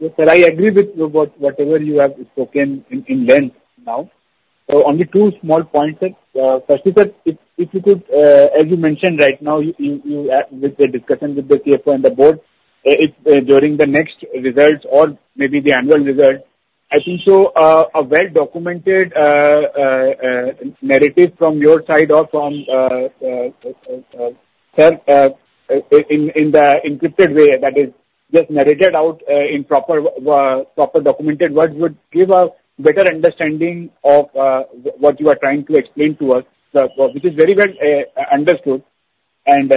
Sir, I agree with you about whatever you have spoken in length now. So only two small points, sir. Firstly, sir, if you could, as you mentioned right now, you with the discussion with the CFO and the board, if during the next results or maybe the annual results, I think so, a well-documented narrative from your side or from sir, in the encrypted way that is just narrated out, in proper documented word, would give a better understanding of what you are trying to explain to us, which is very well understood. And,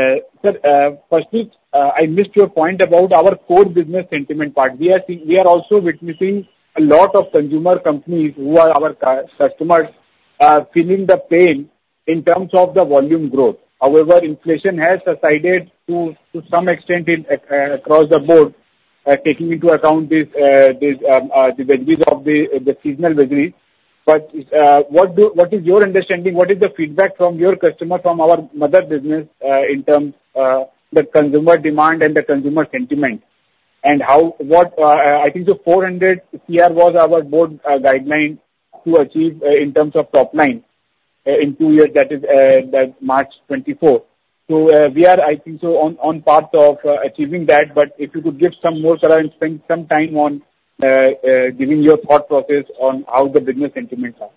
sir, firstly, I missed your point about our core business sentiment part. We are also witnessing a lot of consumer companies who are our customers, are feeling the pain in terms of the volume growth. However, inflation has subsided to some extent across the board, taking into account this the vagaries of the seasonal vagaries. But, what is your understanding? What is the feedback from your customer, from our mother business, in terms the consumer demand and the consumer sentiment? And how, what, I think the 400 CR was our board guideline to achieve, in terms of top line, in two years, that is, that March 2024.We are, I think, so on path of achieving that, but if you could give some more color and spend some time on giving your thought process on how the business sentiments are.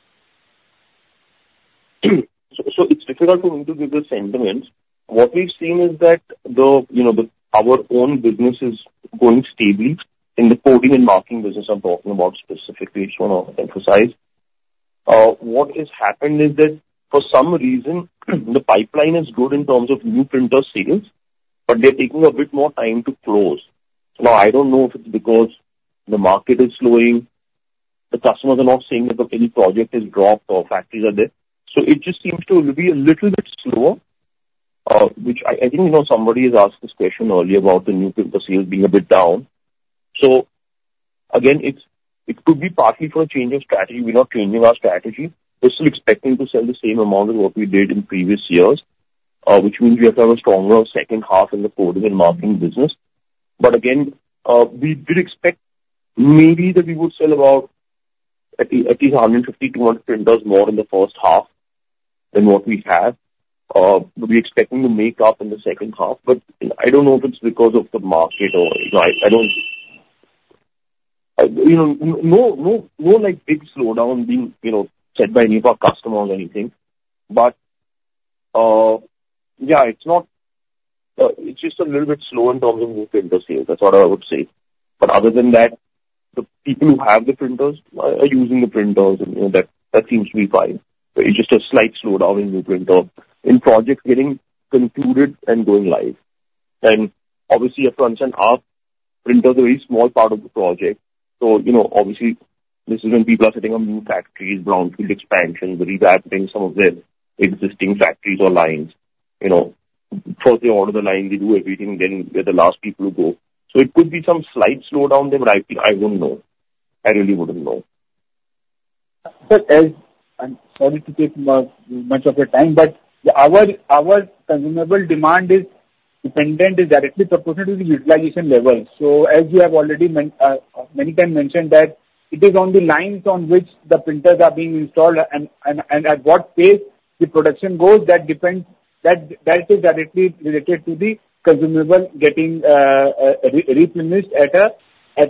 So it's difficult for me to give the sentiments. What we've seen is that, you know, the, our own business is going stably in the Coding and Marking business. I'm talking about specifically. I just wanna emphasize. What has happened is that for some reason, the pipeline is good in terms of new printer sales, but they're taking a bit more time to close. Now, I don't know if it's because the market is slowing. The customers are not saying that any project is dropped or factories are there. So it just seems to be a little bit slower, which I think, you know, somebody has asked this question earlier about the new printer sales being a bit down. So again, it could be partly for a change of strategy. We're not changing our strategy. We're still expecting to sell the same amount as what we did in previous years, which means we have to have a stronger second half in the coding and marking business. But again, we did expect maybe that we would sell about at least 150-200 printers more in the first half than what we have. We'll be expecting to make up in the second half, but I don't know if it's because of the market or, you know, I don't. You know, no, like, big slowdown being, you know, said by any of our customer or anything. But, yeah, it's not, it's just a little bit slow in terms of new printer sales. That's what I would say. But other than that, the people who have the printers are using the printers and, you know, that seems to be fine. But it's just a slight slowdown in new printer projects getting concluded and going live. And obviously, you have to understand our printer is a very small part of the project, so, you know, obviously this is when people are sitting on new factories, brownfield expansions, revamping some of their existing factories or lines. You know, first they order the line, they do everything, then we're the last people to go. So it could be some slight slowdown there, but I wouldn't know. I really wouldn't know. But as... I'm sorry to take much of your time, but our consumable demand is dependent, is directly proportionate to the utilization level. So as you have already mentioned many times that it is on the lines on which the printers are being installed and at what pace the production goes, that depends, that is directly related to the consumable getting replenished at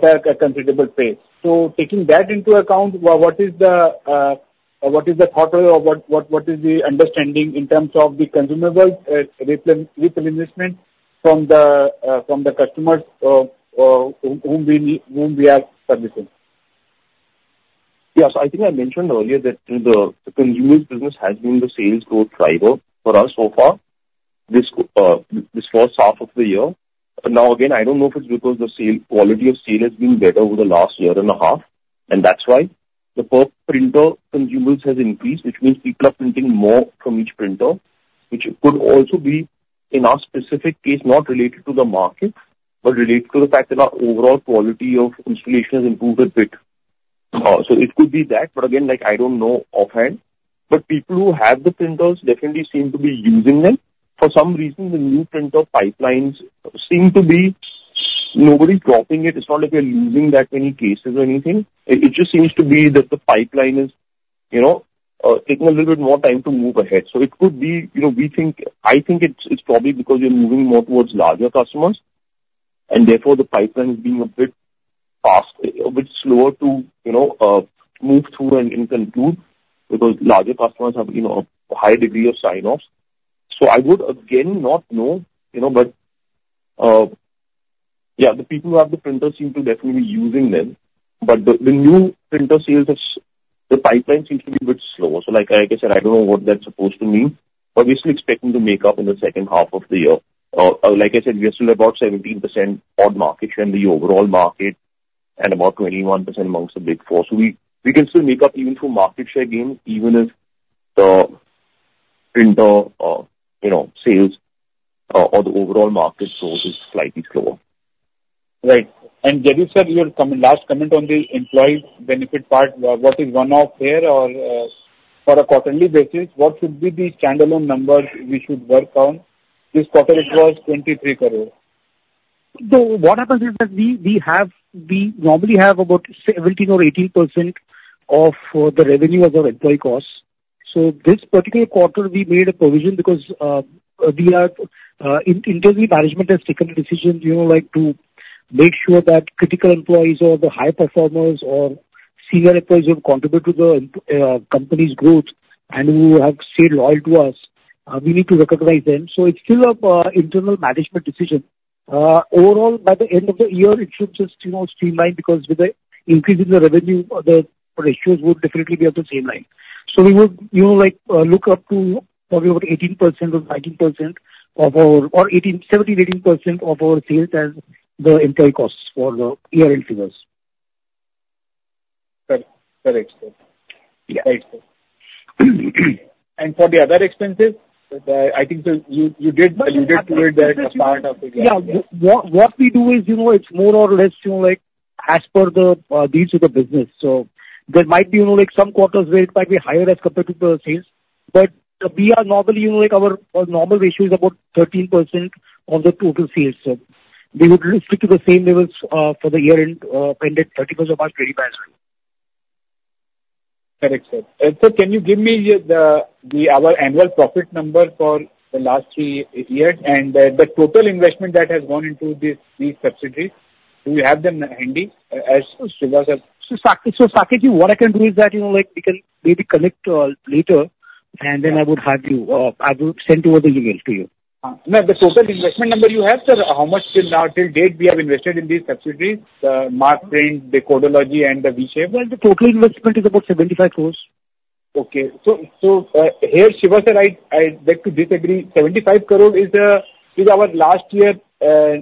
a considerable pace. So taking that into account, what is the thought or what is the understanding in terms of the consumable replenishment from the customers whom we are servicing? Yes, I think I mentioned earlier that the consumer business has been the sales growth driver for us so far, this first half of the year. But now again, I don't know if it's because the sales quality of sale has been better over the last year and a half, and that's why the per printer consumables has increased, which means people are printing more from each printer, which could also be, in our specific case, not related to the market, but related to the fact that our overall quality of installation has improved a bit. So it could be that, but again, like, I don't know offhand. But people who have the printers definitely seem to be using them. For some reason, the new printer pipelines seem to be... Nobody dropping it. It's not like we're losing that many cases or anything.It just seems to be that the pipeline is, you know, taking a little bit more time to move ahead. So it could be, you know, we think. I think it's probably because we are moving more towards larger customers, and therefore, the pipeline is being a bit fast, a bit slower to, you know, move through and conclude, because larger customers have, you know, a high degree of sign-offs. So I would again not know, you know, but yeah, the people who have the printers seem to definitely be using them, but the new printer sales is, the pipeline seems to be a bit slower. So like I said, I don't know what that's supposed to mean, but we're still expecting to make up in the second half of the year. Like I said, we are still about 17% on market share in the overall market and about 21% amongst the Big Four. So we can still make up even through market share gains, even if printer sales or the overall market growth is slightly slower. Right. And Jaideep said your comment, last comment on the employee benefit part, what is one-off here or, on a quarterly basis, what should be the standalone numbers we should work on? This quarter, it was 23 crore. So what happens is that we normally have about 17% or 18% of the revenue as our employee costs. So this particular quarter, we made a provision because, internally, management has taken a decision, you know, like to make sure that critical employees or the high performers or senior employees who contribute to the company's growth and who have stayed loyal to us, we need to recognize them. So it's still internal management decision. Overall, by the end of the year, it should just, you know, streamline, because with the increase in the revenue, the ratios would definitely be on the same line. So we would, you know, like, look up to probably about 18% or 19% of our...Or 18%, 17%, 18% of our sales as the employee costs for the year-end figures. Correct. Correct, sir. Yeah. Right, and for the other expenses, I think that you did allude to it there as part of it. Yeah. What we do is, you know, it's more or less, you know, like, as per the needs of the business. So there might be, you know, like, some quarters where it might be higher as compared to the sales, but we are normally, you know, like, our normal ratio is about 13% of the total sales. So we would stick to the same levels for the year end, pending thirty-first of March, very well. Correct, sir, and sir, can you give me our annual profit number for the last three years, and the total investment that has gone into these subsidiaries? Do you have them handy as well, Shiva? So, Saket, what I can do is that, you know, like, we can maybe connect later, and then I would have you. I will send over the email to you. No, the total investment number you have, sir, how much till now, till date we have invested in these subsidiaries, Markprint, Codeology and the V-Shapes? The total investment is about 75 crores. Okay, so here, Shiva, sir, I beg to disagree. 75 crore is our last year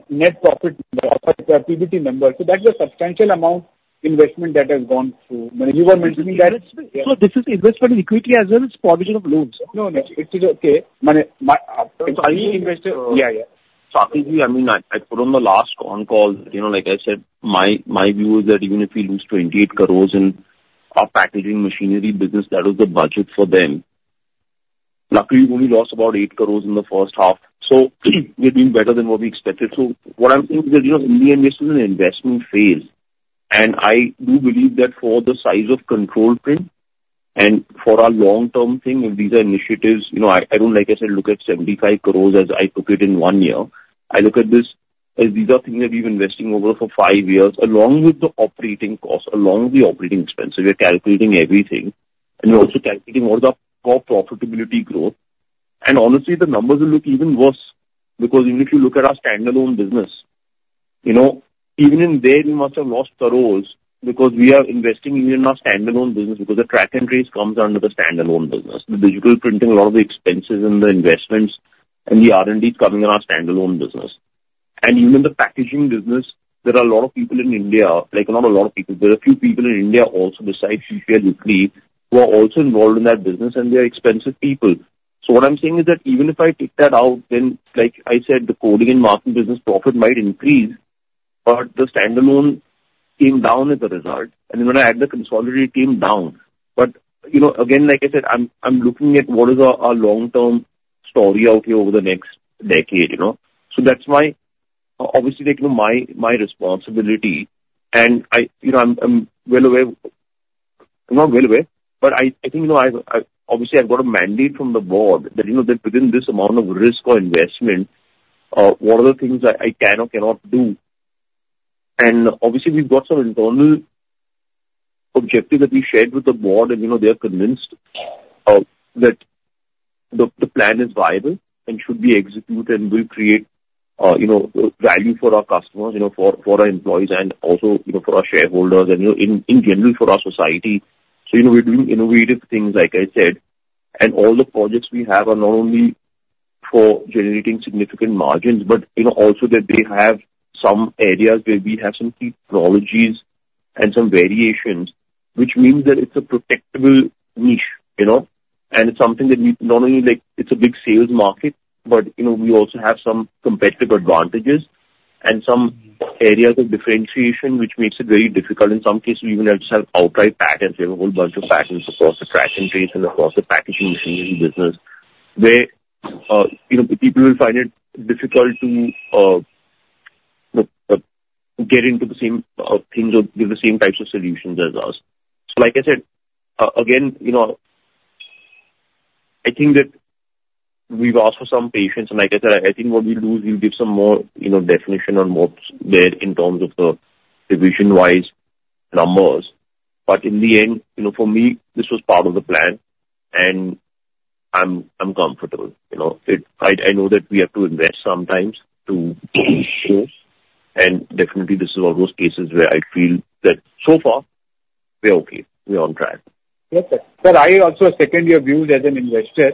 net profit PBT number. So that's a substantial amount investment that has gone through. I mean, you were mentioning that- This is investment in equity as well as provision of loans. No, no, it is okay. I mean, my only investor... Yeah, yeah. Saket, I mean, I put on the last on call. You know, like I said, my view is that even if we lose 28 crores in our packaging machinery business, that was the budget for them. Luckily, we only lost about 8 crores in the first half, so we're doing better than what we expected. So what I'm saying is that, you know, in the end, this is an investment phase, and I do believe that for the size of Control Print and for our long-term thing, and these are initiatives, you know, I don't, like I said, look at 75 crores as I took it in 1 year. I look at this as these are things that we've been investing over for five years, along with the operating costs, along with the operating expenses. We are calculating everything, and we're also calculating what is our top profitability growth. And honestly, the numbers will look even worse, because even if you look at our standalone business, you know, even in there, we must have lost crores because we are investing even in our standalone business, because the track and trace comes under the standalone business. The digital printing, a lot of the expenses and the investments and the R&D is coming in our standalone business. And even the packaging business, there are a lot of people in India, like not a lot of people, there are a few people in India also, besides Shishir Ukidve, who are also involved in that business, and they are expensive people. So what I'm saying is that even if I take that out, then, like I said, the coding and marking business profit might increase, but the standalone came down as a result, and when I add the consolidated, came down. But, you know, again, like I said, I'm looking at what is our long-term story out here over the next decade, you know? So that's why, obviously, like, my responsibility and I, you know, I'm well aware. I'm not well aware, but I think, you know, I've obviously got a mandate from the board that, you know, that within this amount of risk or investment, what are the things I can or cannot do? And obviously, we've got some internal objectives that we shared with the board, and, you know, they are convinced that the plan is viable and should be executed and will create you know value for our customers, you know, for our employees and also, you know, for our shareholders and, you know, in general, for our society. So, you know, we're doing innovative things, like I said, and all the projects we have are not only for generating significant margins, but you know, also that they have some areas where we have some key technologies and some variations, which means that it's a protectable niche, you know, and it's something that we not only, like, it's a big sales market, but, you know, we also have some competitive advantages and some areas of differentiation, which makes it very difficult. In some cases, we even have to have outright patents. We have a whole bunch of patents across the track and trace and across the packaging machinery business, where, you know, people will find it difficult to get into the same things or build the same types of solutions as us, so like I said, again, you know, I think that we've asked for some patience, and like I said, I think what we'll do is we'll give some more, you know, definition on what's there in terms of the division-wise numbers, but in the end, you know, for me, this was part of the plan, and I'm comfortable. You know, I know that we have to invest sometimes to show, and definitely this is one of those cases where I feel that so far. Yes, sir. Sir, I also second your views as an investor.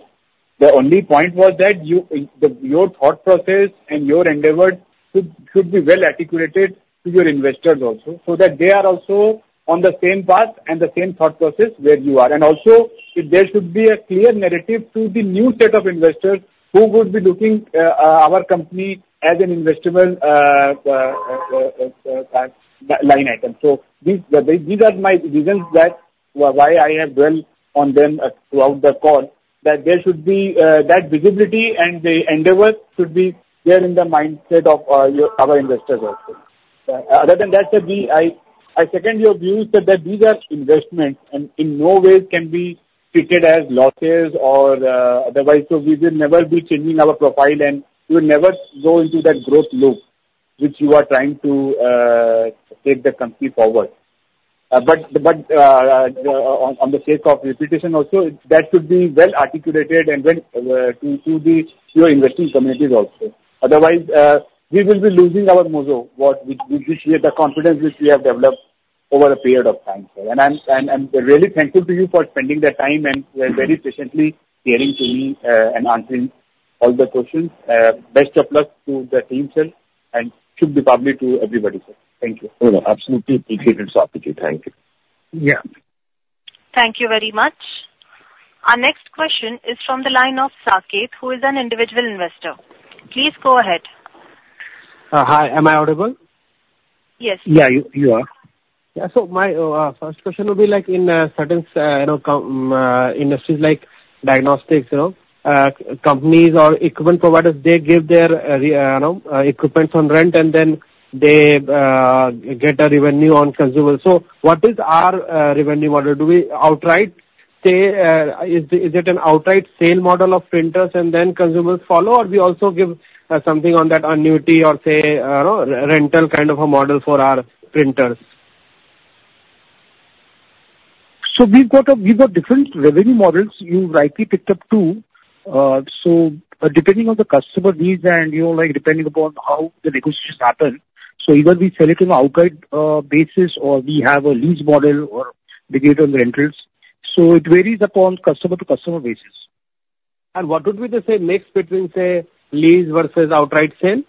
The only point was that your thought process and your endeavor should be well articulated to your investors also, so that they are also on the same path and the same thought process where you are. And also, there should be a clear narrative to the new set of investors who would be looking at our company as an investable line item. So these are my reasons why I have dwelt on them throughout the call, that there should be that visibility and the endeavor should be there in the mindset of our investors also. Other than that, sir, we, I second your views that these are investments, and in no way can be treated as losses or otherwise, so we will never be changing our profile, and you will never go into that growth loop, which you are trying to take the company forward. On the sake of repetition also, that should be well articulated and well to your investing communities also. Otherwise, we will be losing our mojo, what we, which we have the confidence which we have developed over a period of time, sir. And I'm really thankful to you for spending the time and very patiently hearing to me and answering all the questions. Best of luck to the team, sir, and Shubh Diwali to everybody, sir. Thank you. Oh, absolutely appreciated, Saket. Thank you. Yeah. Thank you very much. Our next question is from the line of Saket, who is an individual investor. Please go ahead. Hi. Am I audible? Yes. Yeah, you are. Yeah. So my first question would be like in certain, you know, industries like diagnostics, you know, companies or equipment providers, they give their, you know, equipments on rent, and then they get a revenue on consumables. So what is our revenue model? Do we outright sell, is it, is it an outright sale model of printers and then consumables follow, or we also give something on that annuity or say, you know, rental kind of a model for our printers? So we've got different revenue models you rightly picked up, too. So depending on the customer needs and, you know, like, depending upon how the negotiations happen, so either we sell it on outright basis, or we have a lease model or we get on the rentals. So it varies upon customer to customer basis. What would be the, say, mix between, say, lease versus outright sale?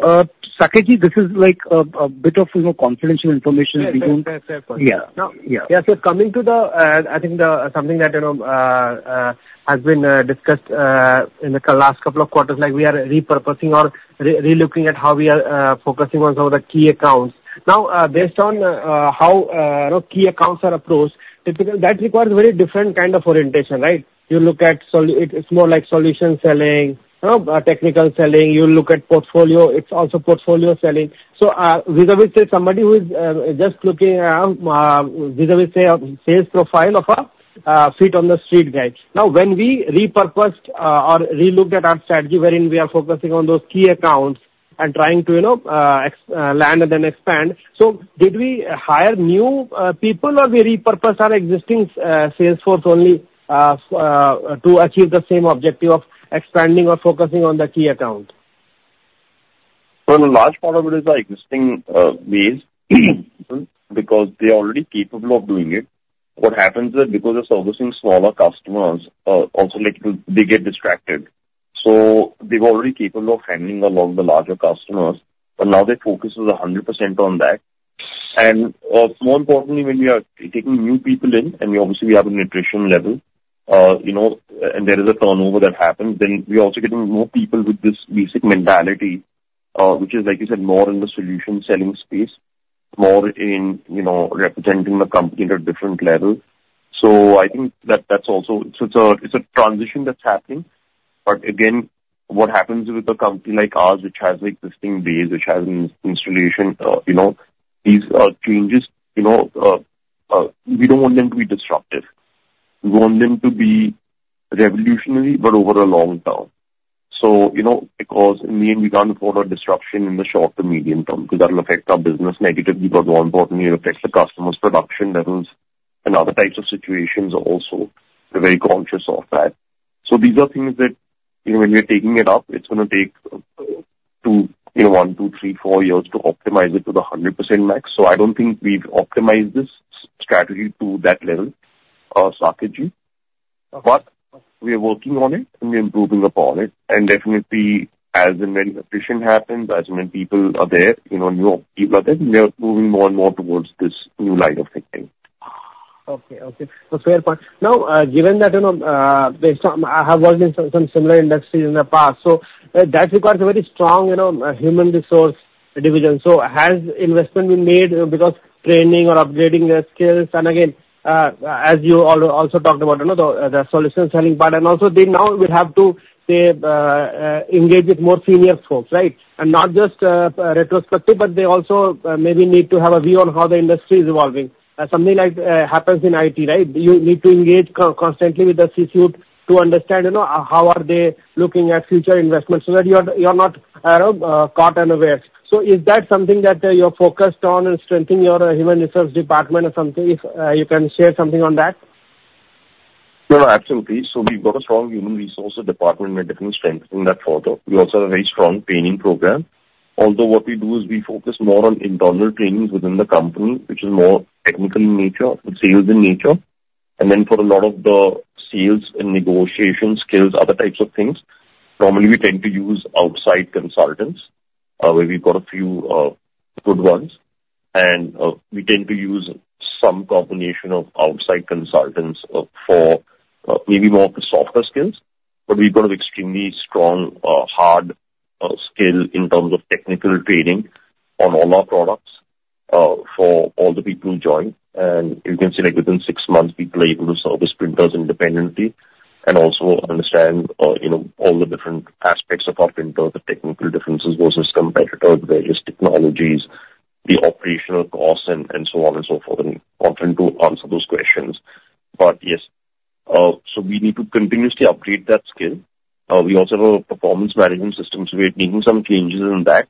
Saket, this is like a bit of, you know, confidential information we don't- Yes, fair, fair. Yeah. Yeah. Yeah. So coming to the, I think the something that, you know, has been discussed in the last couple of quarters, like we are repurposing or re-relooking at how we are focusing on some of the key accounts. Now, based on how, you know, key accounts are approached, typically, that requires very different kind of orientation, right? You look at solu- it's more like solution selling, you know, technical selling. You look at portfolio, it's also portfolio selling. So, vis-à-vis, say, somebody who is just looking, vis-à-vis, say, a sales profile of a feet on the street guide. Now, when we repurposed or relooked at our strategy, wherein we are focusing on those key accounts and trying to, you know, land and then expand, so did we hire new people, or we repurposed our existing sales force only to achieve the same objective of expanding or focusing on the key account? A large part of it is the existing base, because they're already capable of doing it. What happens is, because they're servicing smaller customers, also, like, they get distracted. They've already capable of handling a lot of the larger customers, but now their focus is 100% on that. More importantly, when we are taking new people in, and we obviously have an attrition level, you know, and there is a turnover that happens, then we are also getting more people with this basic mentality, which is, like you said, more in the solution selling space, more in, you know, representing the company at a different level. I think that that's also... it's a transition that's happening. But again, what happens with a company like ours, which has existing base, which has installation, you know, these changes, you know, we don't want them to be disruptive. We want them to be revolutionary, but over a long term. So, you know, because in the end, we can't afford a disruption in the short to medium term, because that'll affect our business negatively, but more importantly, it affects the customers' production levels and other types of situations also. We're very conscious of that. So these are things that, you know, when we are taking it up, it's gonna take, two, you know, one, two, three, four years to optimize it to the 100% max. So I don't think we've optimized this strategy to that level, Saket, but we are working on it, and we're improving upon it. Definitely, as and when attrition happens, as when people are there, you know, new people are there, we are moving more and more towards this new line of thinking. Okay. Okay. So fair point. Now, given that, you know, based on, I have worked in some similar industries in the past, so, that requires a very strong, you know, human resource division. So has investment been made because training or upgrading their skills, and again, as you also talked about, you know, the solution selling part, and also they now will have to, say, engage with more senior folks, right? And not just retrospective, but they also maybe need to have a view on how the industry is evolving. Something like happens in IT, right? You need to engage constantly with the C-suite to understand, you know, how are they looking at future investments so that you're not caught unawares. So is that something that you're focused on in strengthening your human resource department or something? If you can share something on that.... No, absolutely. So we've got a strong human resources department, and we're definitely strengthening that further. We also have a very strong training program. Although what we do is we focus more on internal trainings within the company, which is more technical in nature and sales in nature. And then for a lot of the sales and negotiation skills, other types of things, normally we tend to use outside consultants, where we've got a few good ones. And we tend to use some combination of outside consultants for maybe more of the softer skills. But we've got an extremely strong hard skill in terms of technical training on all our products for all the people who join. You can see, like within six months, people are able to service printers independently and also understand, you know, all the different aspects of our printer, the technical differences versus competitors, various technologies, the operational costs, and so on and so forth, and confident to answer those questions. But yes, so we need to continuously upgrade that skill. We also have a performance management system, so we're making some changes in that,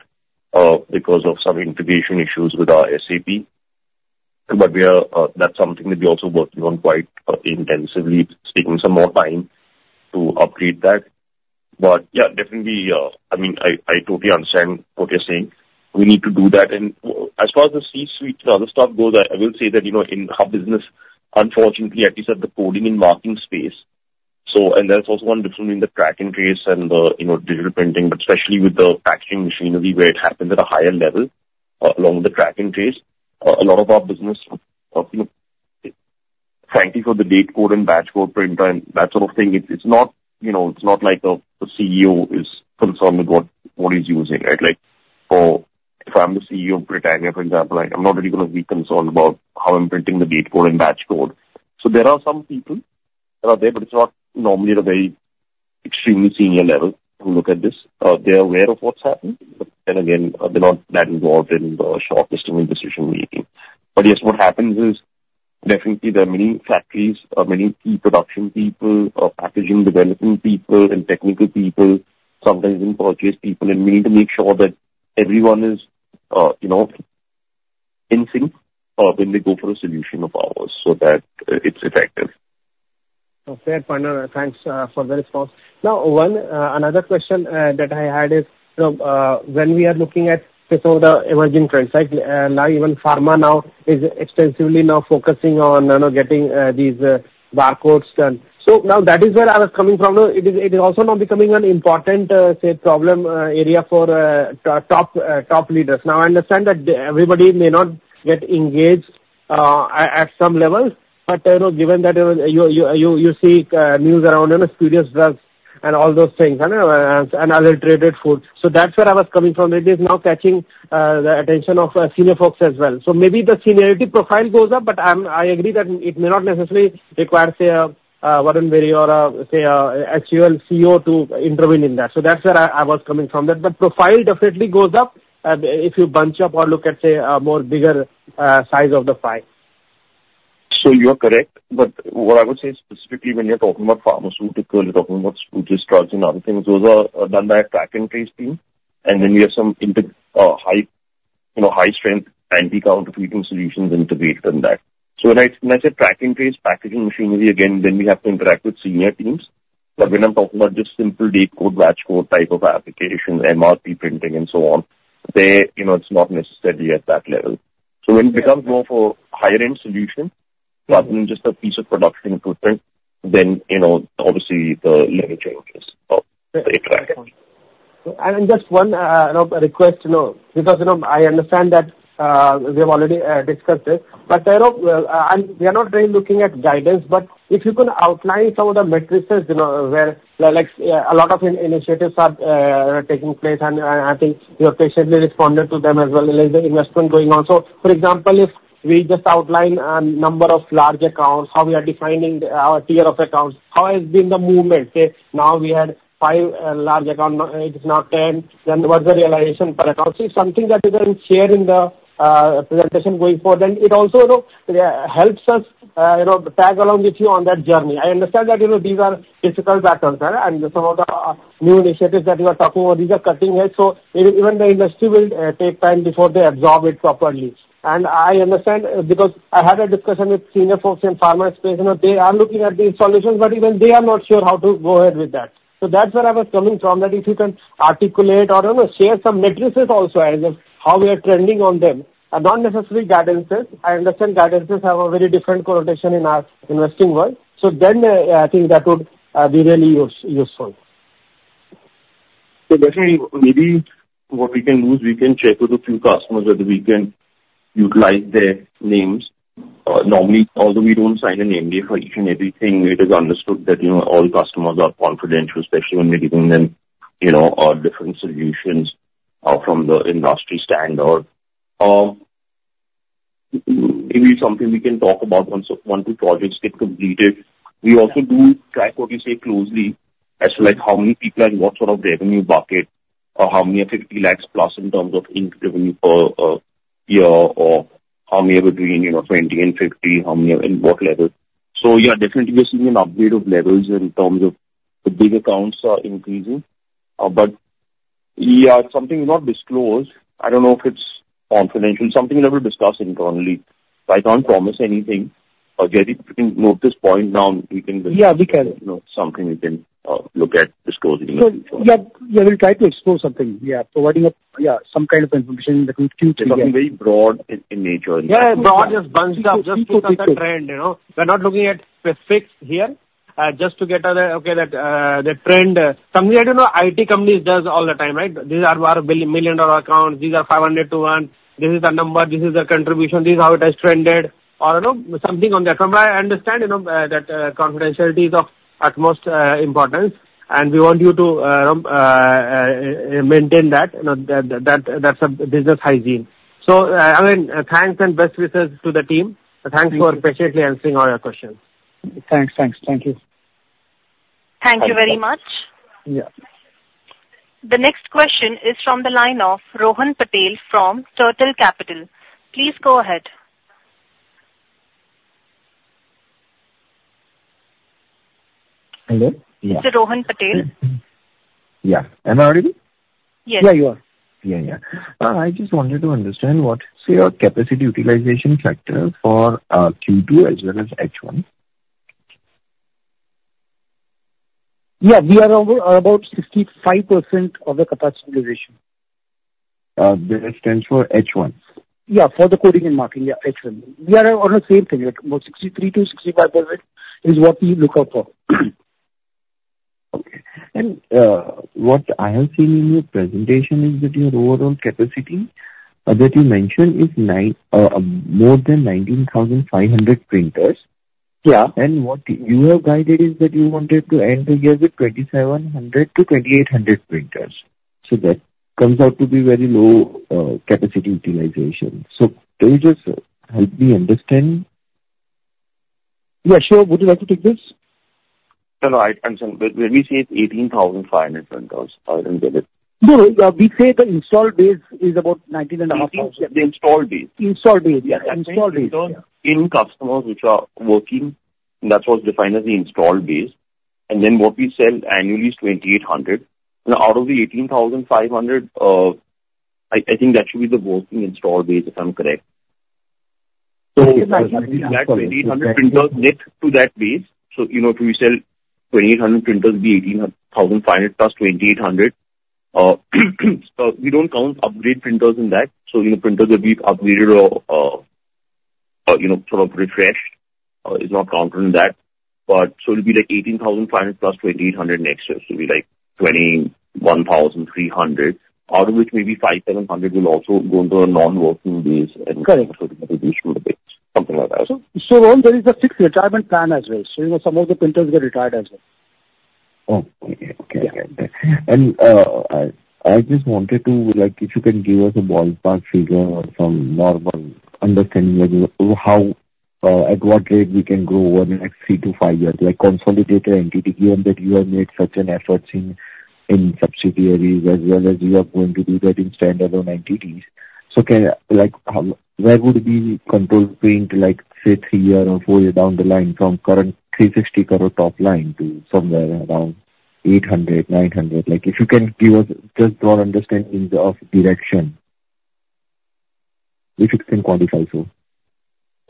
because of some integration issues with our SAP. But we are. That's something that we're also working on quite intensively. It's taking some more time to upgrade that. But yeah, definitely, I mean, I totally understand what you're saying. We need to do that. As far as the C-suite and the other stuff goes, I will say that, you know, in our business, unfortunately, at least at the coding and marking space, so and there's also one difference in the track and trace and the, you know, digital printing, but especially with the packaging machinery, where it happens at a higher level along the track and trace. A lot of our business of, you know, frankly, for the date code and batch code printer and that sort of thing, it's not, you know, it's not like a CEO is concerned with what he's using, right? Like, or if I'm the CEO of Britannia, for example, I, I'm not really gonna be concerned about how I'm printing the date code and batch code. So there are some people that are there, but it's not normally at a very extremely senior level who look at this. They are aware of what's happened, but then again, they're not that involved in the short-term decision making. But yes, what happens is, definitely there are many factories, many key production people, packaging development people and technical people, sometimes even purchase people, and we need to make sure that everyone is, you know, in sync, when they go for a solution of ours so that it's effective. Okay, partner, thanks, for the response. Now, one another question that I had is, you know, when we are looking at, say, some of the emerging trends, like, now even pharma now is extensively now focusing on, you know, getting these barcodes done. So now that is where I was coming from. It is, it is also now becoming an important, say, problem area for top leaders. Now, I understand that everybody may not get engaged at some levels, but, you know, given that, you know, you see news around, you know, spurious drugs and all those things, and adulterated food. So that's where I was coming from. It is now catching the attention of senior folks as well. So maybe the seniority profile goes up, but I'm, I agree that it may not necessarily require, say, a Warren Buffett or, say, a an actual CEO to intervene in that. So that's where I was coming from, that the profile definitely goes up, if you bunch up or look at, say, a more bigger size of the pie. So you are correct. But what I would say specifically when you're talking about pharmaceuticals, you're talking about spurious drugs and other things, those are done by a track and trace team. And then we have some high, you know, high strength anti-counterfeiting solutions integrated in that. So when I, when I say track and trace packaging machinery again, then we have to interact with senior teams. But when I'm talking about just simple date code, batch code, type of application, MRP printing and so on, they, you know, it's not necessarily at that level. So when it becomes more for higher-end solution rather than just a piece of production equipment, then, you know, obviously the level changes of the interaction. And just one, you know, request, you know, because, you know, I understand that we have already discussed this, but, you know, we are not really looking at guidance, but if you can outline some of the metrics, you know, where, like, a lot of initiatives are taking place, and I think you have patiently responded to them as well. There's the investment going on. So, for example, if we just outline a number of large accounts, how we are defining our tier of accounts, how has been the movement? Say, now we had five large accounts, it is now ten, then what's the realization per account? So something that you can share in the presentation going forward. Then it also, you know, helps us, you know, tag along with you on that journey. I understand that, you know, these are difficult backgrounds and some of the new initiatives that you are talking about, these are cutting edge, so even the industry will take time before they absorb it properly. And I understand, because I had a discussion with senior folks in pharma space, you know, they are looking at these solutions, but even they are not sure how to go ahead with that. So that's where I was coming from, that if you can articulate or, you know, share some metrics also as of how we are trending on them. Not necessarily guidances. I understand guidances have a very different connotation in our investing world. So then, I think that would be really useful. So definitely, maybe what we can do is we can check with a few customers, whether we can utilize their names. Normally, although we don't sign an NDA for each and everything, it is understood that, you know, all customers are confidential, especially when we're giving them, you know, our different solutions from the industry standard. Maybe something we can talk about once the projects get completed. We also do track what we say closely as to, like, how many people are in what sort of revenue bucket, or how many are fifty lakhs plus in terms of annual revenue per year, or how many are between, you know, twenty and fifty, how many are in what level. So yeah, definitely, we're seeing an upgrade of levels in terms of the big accounts are increasing, but yeah, something we not disclosed. I don't know if it's confidential. Something that we'll discuss internally. So I can't promise anything. But, Jay, if you can note this point down, we can- Yeah, we can. You know, something we can look at disclosing in the future. So, yeah, we will try to expose something. Yeah, providing a, yeah, some kind of information that we in QTA. Something very broad in nature. Yeah, broadly, just a bunch of, just to look at the trend, you know? We're not looking at specifics here. Just to get the trend. Something that, you know, IT companies does all the time, right? These are our billion, million dollar accounts. These are five hundred to one. This is the number, this is the contribution, this is how it has trended or, you know, something on that. From what I understand, you know, that confidentiality is of utmost importance, and we want you to maintain that. You know, that's a business hygiene. So, again, thanks and best wishes to the team. Thanks for patiently answering all our questions. Thanks, thanks. Thank you. Thank you very much. Yeah. The next question is from the line of Rohan Patel from Turtle Capital. Please go ahead. Hello? Yeah. Mr. Rohan Patel. Yeah. Am I audible? Yes. Yeah, you are. Yeah, yeah. I just wanted to understand what is your capacity utilization factor for Q2 as well as H1? Yeah, we are around about 65% of the capacity utilization. That stands for H1? Yeah, for the coding and marking, yeah, H1. We are on the same thing, like about 63%-65% is what we look out for. Okay. And, what I have seen in your presentation is that your overall capacity, that you mentioned is nine, more than nineteen thousand five hundred printers. Yeah. What you have guided is that you wanted to end the year with 2,700 to 2,800 printers. That comes out to be very low capacity utilization. Can you just help me understand? Yeah, sure. Would you like to take this? No, no, I understand. When we say it's 18,500 printers, I will get it. No, we say the installed base is about nineteen and a half thousand. The installed base. Installed base. Yeah. Installed base. In customers which are working, that's what's defined as the installed base, and then what we sell annually is 2,800. Now, out of the 18,500, I think that should be the working installed base, if I'm correct. So that 2,000 printers next to that base, so, you know, if we sell 2,800 printers, be 18,500 plus 2,800, we don't count upgrade printers in that. So, you know, printers will be upgraded or, you know, sort of refreshed, is not counted in that. But so it'll be like 18,500 plus 2,800 next year, so it'll be like 21,300, out of which maybe 500-700 will also go into a non-working base- Correct. Contribution to the base, something like that. So, there is a fixed retirement plan as well. So, you know, some of the printers get retired as well. Oh, okay. Okay. And I just wanted to, like, if you can give us a ballpark figure or some more of an understanding of how, at what rate we can grow over the next three to five years, like consolidated entity, given that you have made such an effort in subsidiaries as well as you are going to do that in standalone entities. So can, like, how, where would be Control Print, like, say, three year or four year down the line from current 360 crore top line to somewhere around 800, 900? Like, if you can give us just broad understanding of direction. If you can quantify, so.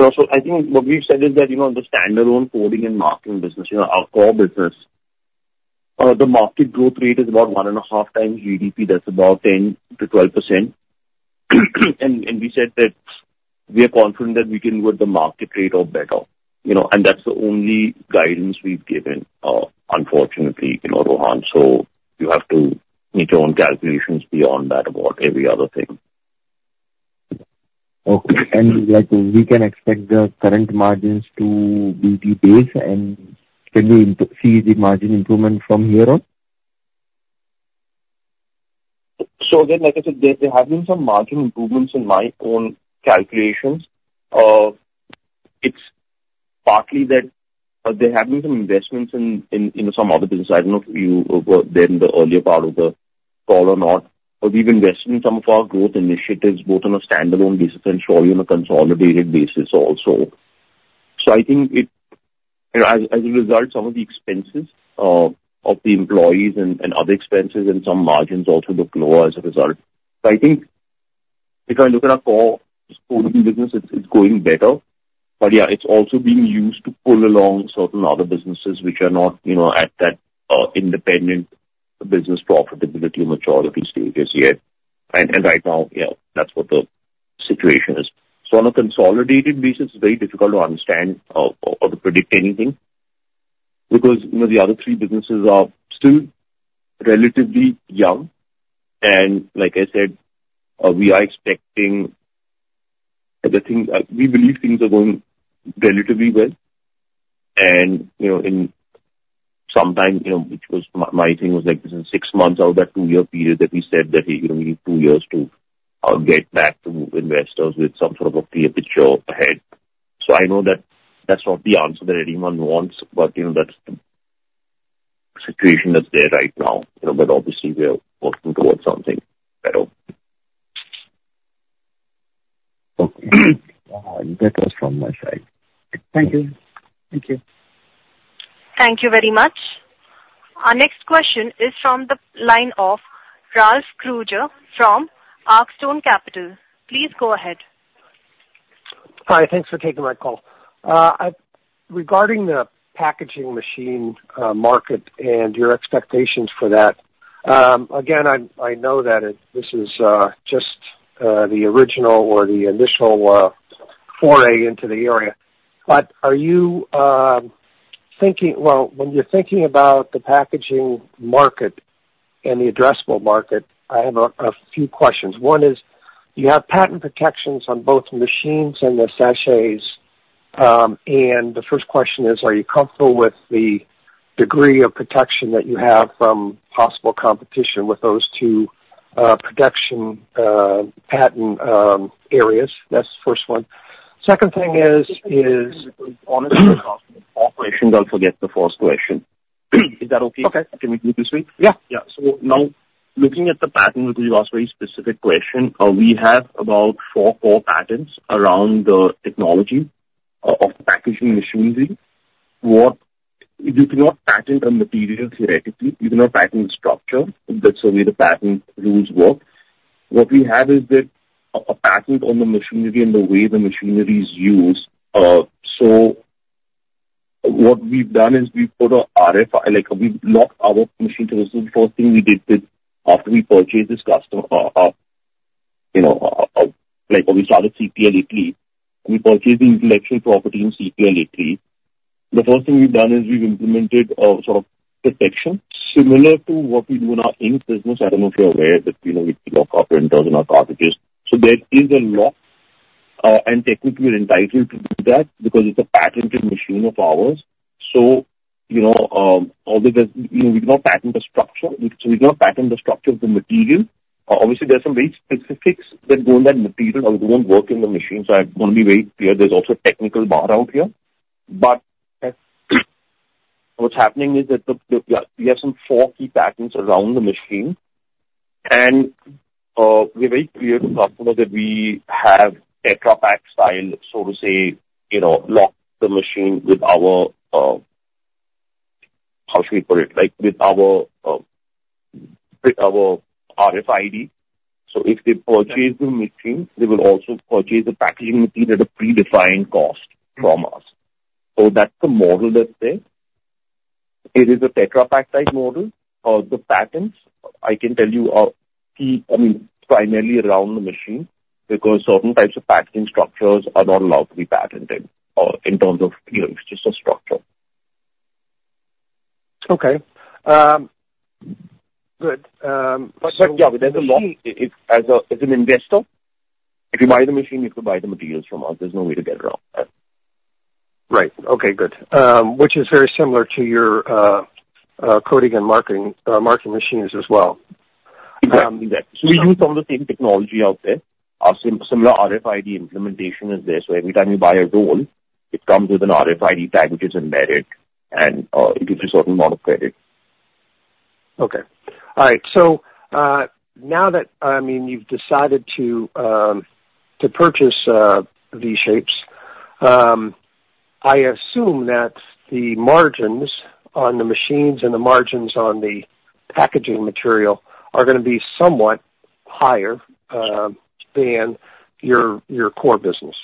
So I think what we've said is that, you know, the standalone coding and marking business, you know, our core business, the market growth rate is about one and a half times GDP, that's about 10%-12%. And we said that we are confident that we can grow at the market rate or better. You know, and that's the only guidance we've given, unfortunately, you know, Rohan, so you have to make your own calculations beyond that about every other thing. Okay. And, like, we can expect the current margins to be the base, and can we see the margin improvement from here on? So again, like I said, there have been some margin improvements in my own calculations. It's partly that there have been some investments in, you know, some other business. I don't know if you were there in the earlier part of the call or not, but we've invested in some of our growth initiatives, both on a standalone basis and surely on a consolidated basis also. So I think it. As a result, some of the expenses of the employees and other expenses and some margins also look lower as a result. So I think if I look at our core coding business, it's going better. But yeah, it's also being used to pull along certain other businesses which are not, you know, at that independent business profitability maturity stages yet. And right now, yeah, that's what the situation is. So on a consolidated basis, it's very difficult to understand or to predict anything, because, you know, the other three businesses are still relatively young. And like I said, we are expecting the things. We believe things are going relatively well. And, you know, in some time, you know, which was my thing was, like, within six months out of that two-year period, that we said that, "Hey, we need two years to get back to investors with some sort of a clear picture ahead." So I know that that's not the answer that anyone wants, but, you know, that's the situation that's there right now. You know, but obviously, we are working towards something better. Okay. That was from my side. Thank you. Thank you. Thank you very much. Our next question is from the line of Ralph Kruger from Arcstone Capital. Please go ahead. Hi, thanks for taking my call. I regarding the packaging machine, market and your expectations for that, again, I know that it, this is, just the original or the initial, foray into the area, but are you, thinking... Well, when you're thinking about the packaging market and the addressable market, I have a few questions. One is, you have patent protections on both machines and the sachets. And the first question is: Are you comfortable with the degree of protection that you have from possible competition with those two, protection, patent, areas? That's the first one. Second thing is, is, Don't forget the first question. Is that okay? Okay. Can we do it this way? Yeah. Yeah. So now, looking at the patent, because you asked a very specific question, we have about four core patents around the technology of the packaging machinery. You cannot patent a material theoretically, you cannot patent structure. That's the way the patent rules work. What we have is that, a patent on the machinery and the way the machinery is used. So what we've done is we've put a RFID, like, we've locked our machine. This is the first thing we did with, after we purchased this customer, you know, like, when we started CPL Italy, we purchased the intellectual property in CPL Italy. The first thing we've done is we've implemented a sort of protection, similar to what we do in our ink business. I don't know if you're aware that, you know, we lock our printers and our cartridges. So there is a lock, and technically we're entitled to do that because it's a patented machine of ours. So, you know, obviously, you know, we cannot patent the structure. So we cannot patent the structure of the material. Obviously, there are some very specifics that go in that material or they won't work in the machine. So I want to be very clear, there's also a technical bar out here. But what's happening is that we have some four key patents around the machine, and, we're very clear to the customer that we have Tetra Pak style, so to say, you know, lock the machine with our... How should we put it? Like, with our, with our RFID. So if they purchase the machine, they will also purchase the packaging material at a predefined cost from us. So that's the model that's there. It is a Tetra Pak type model. The patents, I can tell you are key, I mean, primarily around the machine, because certain types of packaging structures are not allowed to be patented, in terms of, you know, just a structure. Okay. Good, but- Yeah, there's a lot. As a, as an investor, if you buy the machine, you could buy the materials from us. There's no way to get around that. Right. Okay, good. Which is very similar to your coding and marking machines as well. We use some of the same technology out there. Similar RFID implementation is there, so every time you buy a roll, it comes with an RFID tag, which is embedded, and it gives you a certain amount of credit. Okay. All right. So, now that, I mean, you've decided to purchase V-Shapes, I assume that the margins on the machines and the margins on the packaging material are gonna be somewhat higher than your core business.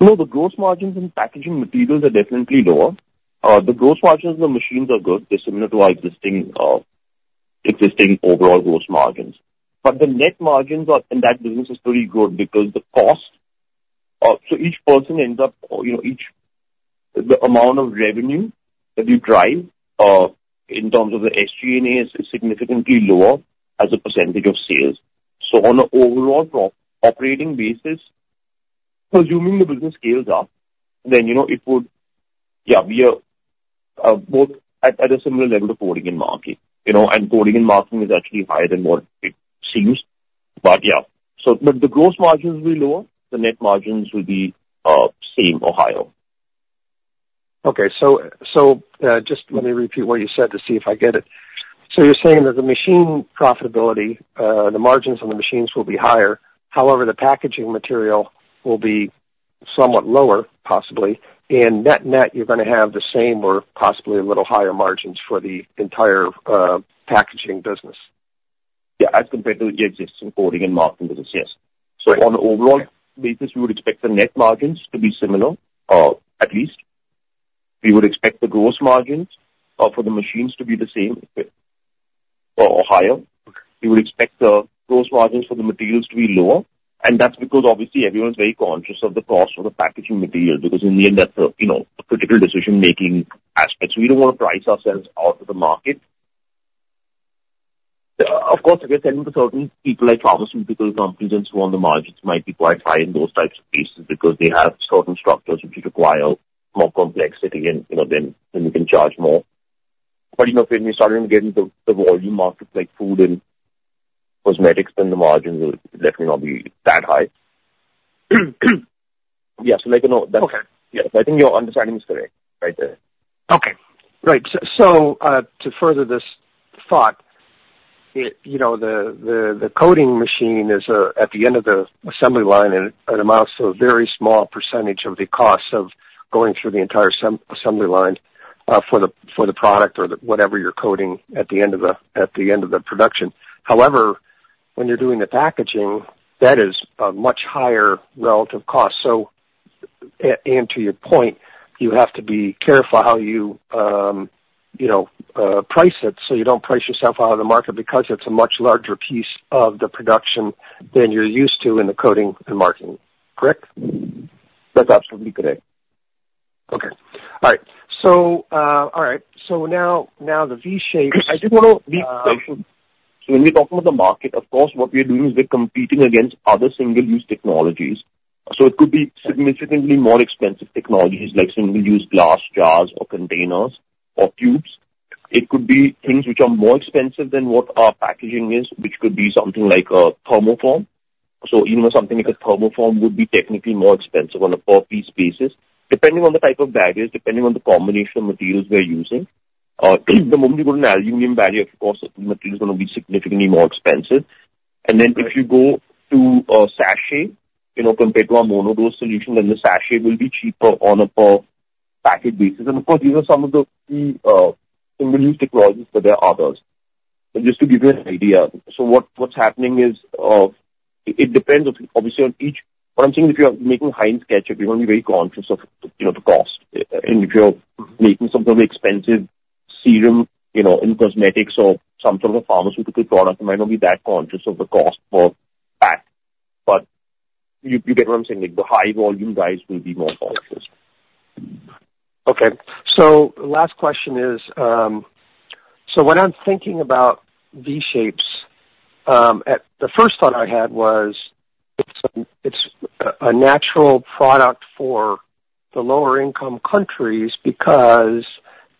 No, the gross margins in packaging materials are definitely lower. The gross margins in the machines are good. They're similar to our existing overall gross margins. But the net margins are, in that business, is pretty good because the cost... So each person ends up, or you know, each, the amount of revenue that you drive, in terms of the SG&A, is significantly lower as a percentage of sales. So on an overall operating basis, assuming the business scales up, then, you know, it would, yeah, be both at a similar level to coding and marking. You know, and coding and marking is actually higher than what it seems. But yeah, so but the gross margins will be lower, the net margins will be same or higher. Okay, just let me repeat what you said to see if I get it. So you're saying that the machine profitability, the margins on the machines will be higher. However, the packaging material will be somewhat lower, possibly, and net-net, you're gonna have the same or possibly a little higher margins for the entire packaging business? Yeah, as compared to the existing coding and marking business, yes. Great. So on an overall basis, we would expect the net margins to be similar, at least. We would expect the gross margins, for the machines to be the same or higher. We would expect the gross margins for the materials to be lower, and that's because obviously everyone's very conscious of the cost of the packaging material, because in the end, that's a, you know, a critical decision-making aspect. So we don't want to price ourselves out of the market. Of course, I can tell you for certain people, like pharmaceutical companies and so on, the margins might be quite high in those types of cases, because they have certain structures which require more complexity and, you know, then you can charge more. But, you know, when we started getting to the volume markets like food and cosmetics, then the margins will definitely not be that high.... Yes, so like, you know, that's- Okay. Yes, I think your understanding is correct, right there. Okay. Right. So, to further this thought, you know, the coding machine is at the end of the assembly line, and it amounts to a very small percentage of the cost of going through the entire assembly line for the product or whatever you're coding at the end of the production. However, when you're doing the packaging, that is a much higher relative cost. And to your point, you have to be careful how you, you know, price it, so you don't price yourself out of the market because it's a much larger piece of the production than you're used to in the coding and marking. Correct? That's absolutely correct. Okay. All right. So, all right, so now, the V-Shapes, I just wanna be- So when we talk about the market, of course, what we are doing is we're competing against other single-use technologies. So it could be significantly more expensive technologies, like single-use glass jars or containers or tubes. It could be things which are more expensive than what our packaging is, which could be something like a thermoform. So even something like a thermoform would be technically more expensive on a per piece basis, depending on the type of package, depending on the combination of materials we are using. The moment we go to an aluminum barrier, of course, material is gonna be significantly more expensive. And then if you go to a sachet, you know, compared to a mono-dose solution, then the sachet will be cheaper on a per package basis. And of course, these are some of the single-use technologies, but there are others. But just to give you an idea, so what's happening is, it depends obviously on each. What I'm saying, if you are making Heinz ketchup, you're gonna be very conscious of, you know, the cost. And if you're making some sort of expensive serum, you know, in cosmetics or some sort of pharmaceutical product, you might not be that conscious of the cost for that. But you get what I'm saying? Like, the high volume guys will be more conscious. Okay. So last question is, so when I'm thinking about V-Shapes. The first thought I had was, it's a natural product for the lower income countries because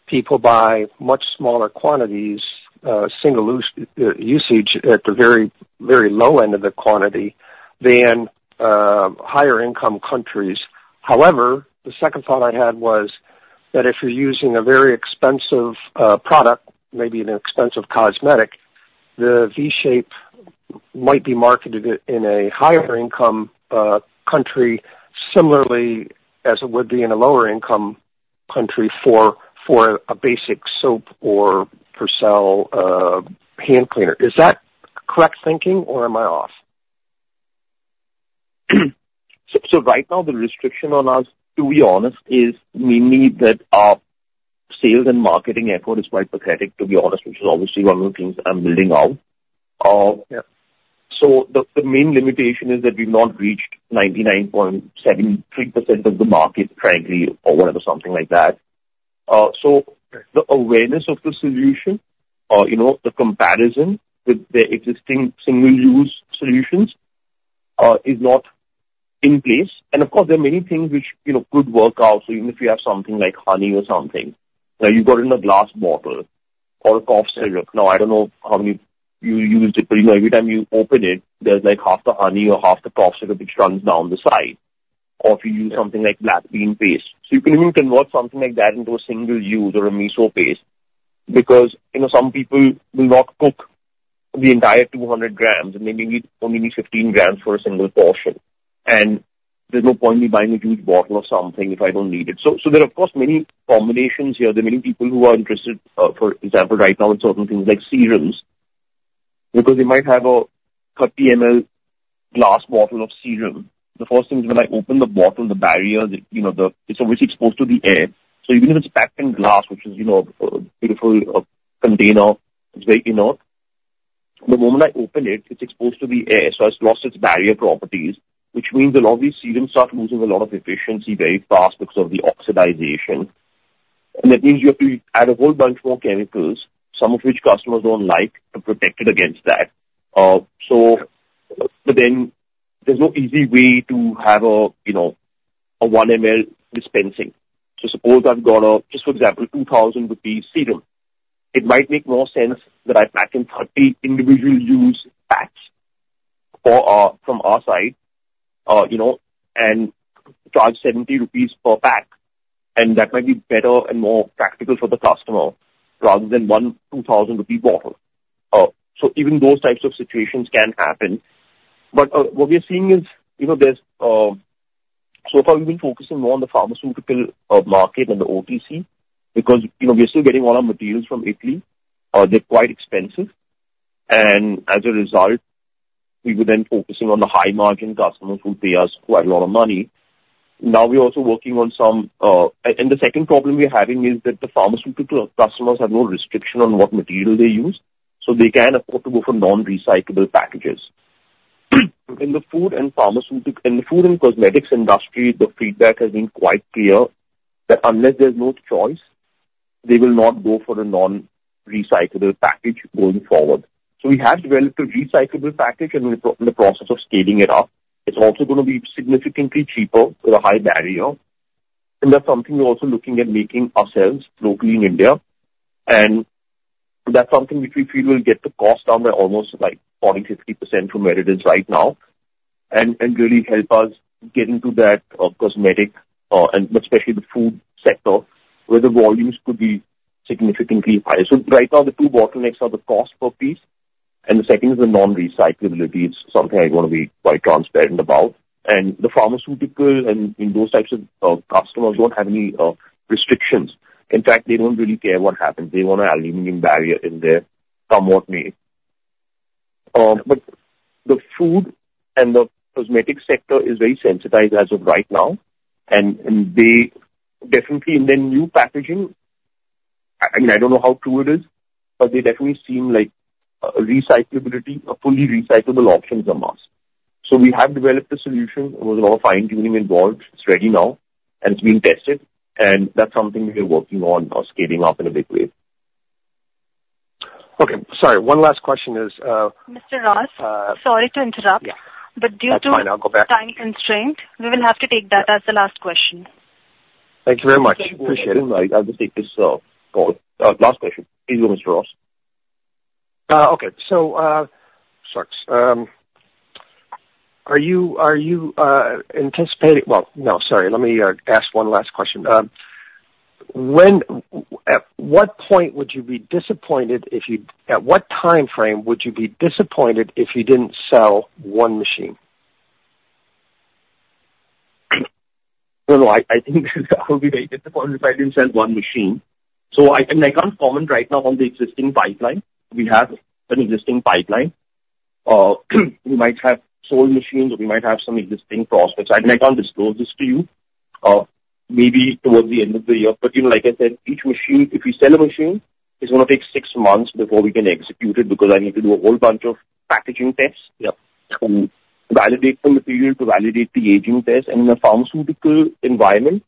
people buy much smaller quantities, single use usage at the very, very low end of the quantity than higher income countries. However, the second thought I had was, that if you're using a very expensive product, maybe an expensive cosmetic, the V-Shapes might be marketed in a higher income country, similarly, as it would be in a lower income country for a basic soap or Persil hand cleaner. Is that correct thinking, or am I off? Right now, the restriction on us, to be honest, is mainly that our sales and marketing effort is quite pathetic, to be honest, which is obviously one of the things I'm building out. Yeah. So the main limitation is that we've not reached 99.73% of the market, frankly, or whatever, something like that. So the awareness of the solution, you know, the comparison with the existing single-use solutions, is not in place. And of course, there are many things which, you know, could work out. So even if you have something like honey or something, now you've got it in a glass bottle or a cough syrup. Now, I don't know how many you use it, but, you know, every time you open it, there's, like, half the honey or half the cough syrup which runs down the side. Or if you use something like black bean paste. So you can even convert something like that into a single use or a miso paste, because, you know, some people will not cook the entire two hundred grams, and they may only need fifteen grams for a single portion. And there's no point me buying a huge bottle of something if I don't need it. There are, of course, many combinations here. There are many people who are interested, for example, right now, in certain things like serums, because they might have a 30 ml glass bottle of serum. The first thing is, when I open the bottle, the barrier, you know, the... It's obviously exposed to the air. So even if it's packed in glass, which is, you know, a beautiful container, it's very inert. The moment I open it, it's exposed to the air, so it's lost its barrier properties, which means a lot of these serums start losing a lot of efficiency very fast because of the oxidization. And that means you have to add a whole bunch more chemicals, some of which customers don't like, to protect it against that. Yeah. But then there's no easy way to have a, you know, a 1 mL dispensing. So suppose I've got a, just for example, 2,000 rupees serum. It might make more sense that I pack in 30 individual use packs for our, from our side, you know, and charge 70 rupees per pack, and that might be better and more practical for the customer, rather than one INR 2,000 bottle. So even those types of situations can happen. But what we are seeing is, you know, there's... So far, we've been focusing more on the pharmaceutical market and the OTC, because, you know, we are still getting all our materials from Italy. They're quite expensive, and as a result, we were then focusing on the high margin customers who pay us quite a lot of money. Now, we're also working on some... And the second problem we're having is that the pharmaceutical customers have no restriction on what material they use, so they can afford to go for non-recyclable packages. In the food and cosmetics industry, the feedback has been quite clear, that unless there's no choice, they will not go for a non-recyclable package going forward. So we have developed a recyclable package, and we're in the process of scaling it up. It's also gonna be significantly cheaper with a high barrier, and that's something we're also looking at making ourselves locally in India. So that's something which we feel will get the cost down by almost like 40-50% from where it is right now, and really help us get into that cosmetic and especially the food sector, where the volumes could be significantly higher. So right now, the two bottlenecks are the cost per piece, and the second is the non-recyclability. It's something I want to be quite transparent about. And the pharmaceutical and those types of customers don't have any restrictions. In fact, they don't really care what happens. They want an aluminum barrier in there, somewhat made. But the food and the cosmetic sector is very sensitized as of right now, and they definitely in their new packaging, I mean, I don't know how true it is, but they definitely seem like recyclability or fully recyclable options are must. So we have developed a solution. There was a lot of fine-tuning involved. It's ready now, and it's being tested, and that's something we are working on now, scaling up in a big way. Okay, sorry. One last question is, Mr. Ross, sorry to interrupt. Yeah. but due to- That's fine. I'll go back. Time constraint, we will have to take that as the last question. Thank you very much. Appreciate it. I will take this call. Last question. Please go, Mr. Ralph. Okay. So, sorry. Are you anticipating... Well, no, sorry. Let me ask one last question. When... At what point would you be disappointed if you-- At what time frame would you be disappointed if you didn't sell one machine? I think I would be very disappointed if I didn't sell one machine. So, I can't comment right now on the existing pipeline. We have an existing pipeline. We might have sold machines or we might have some existing prospects. I might can't disclose this to you, maybe towards the end of the year. But, you know, like I said, each machine, if we sell a machine, it's gonna take six months before we can execute it, because I need to do a whole bunch of packaging tests. Yep. To validate the material, to validate the aging test, and in the pharmaceutical environment,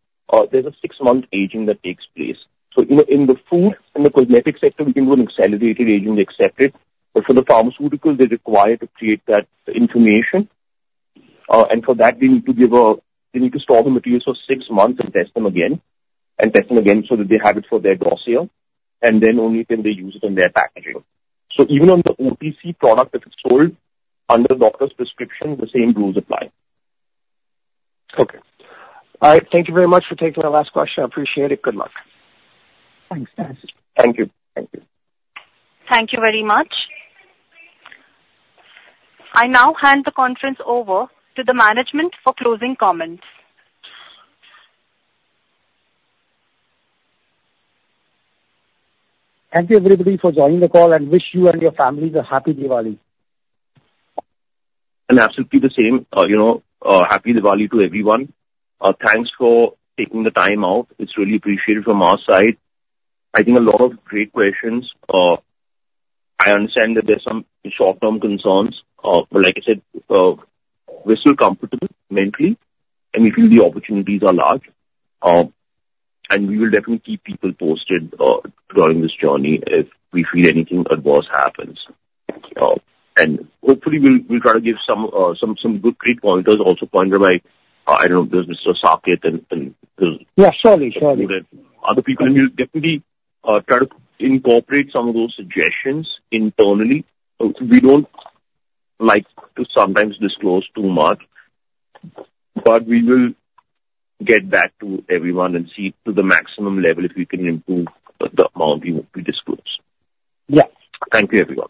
there's a six-month aging that takes place, so you know, in the food and the cosmetic sector, we can do an accelerated aging accepted, but for the pharmaceutical, they're required to create that information, and for that, we need to store the materials for six months and test them again, and test them again, so that they have it for their dossier, and then only can they use it on their packaging, so even on the OTC product, if it's sold under the doctor's prescription, the same rules apply. Okay. All right. Thank you very much for taking my last question. I appreciate it. Good luck. Thanks, guys. Thank you. Thank you. Thank you very much. I now hand the conference over to the management for closing comments. Thank you, everybody, for joining the call, and wish you and your families a happy Diwali. And absolutely the same, you know, happy Diwali to everyone. Thanks for taking the time out. It's really appreciated from our side. I think a lot of great questions. I understand that there's some short-term concerns, but like I said, we're still comfortable mentally, and we feel the opportunities are large. And we will definitely keep people posted during this journey if we feel anything adverse happens. And hopefully we'll try to give some good, great pointers also pointed by, I don't know, there's Mr. Saket and. Yeah, surely, surely. Other people, and we'll definitely try to incorporate some of those suggestions internally. We don't like to sometimes disclose too much, but we will get back to everyone and see to the maximum level if we can improve the amount we disclose. Yeah. Thank you, everyone.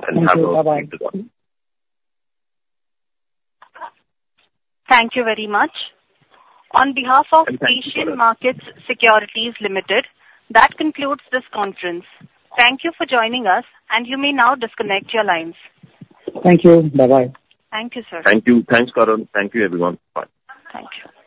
Thank you. Bye-bye. Thank you very much. On behalf of Asian Markets Securities Limited, that concludes this conference. Thank you for joining us, and you may now disconnect your lines. Thank you. Bye-bye. Thank you, sir. Thank you. Thanks, Karan. Thank you, everyone. Bye. Thank you.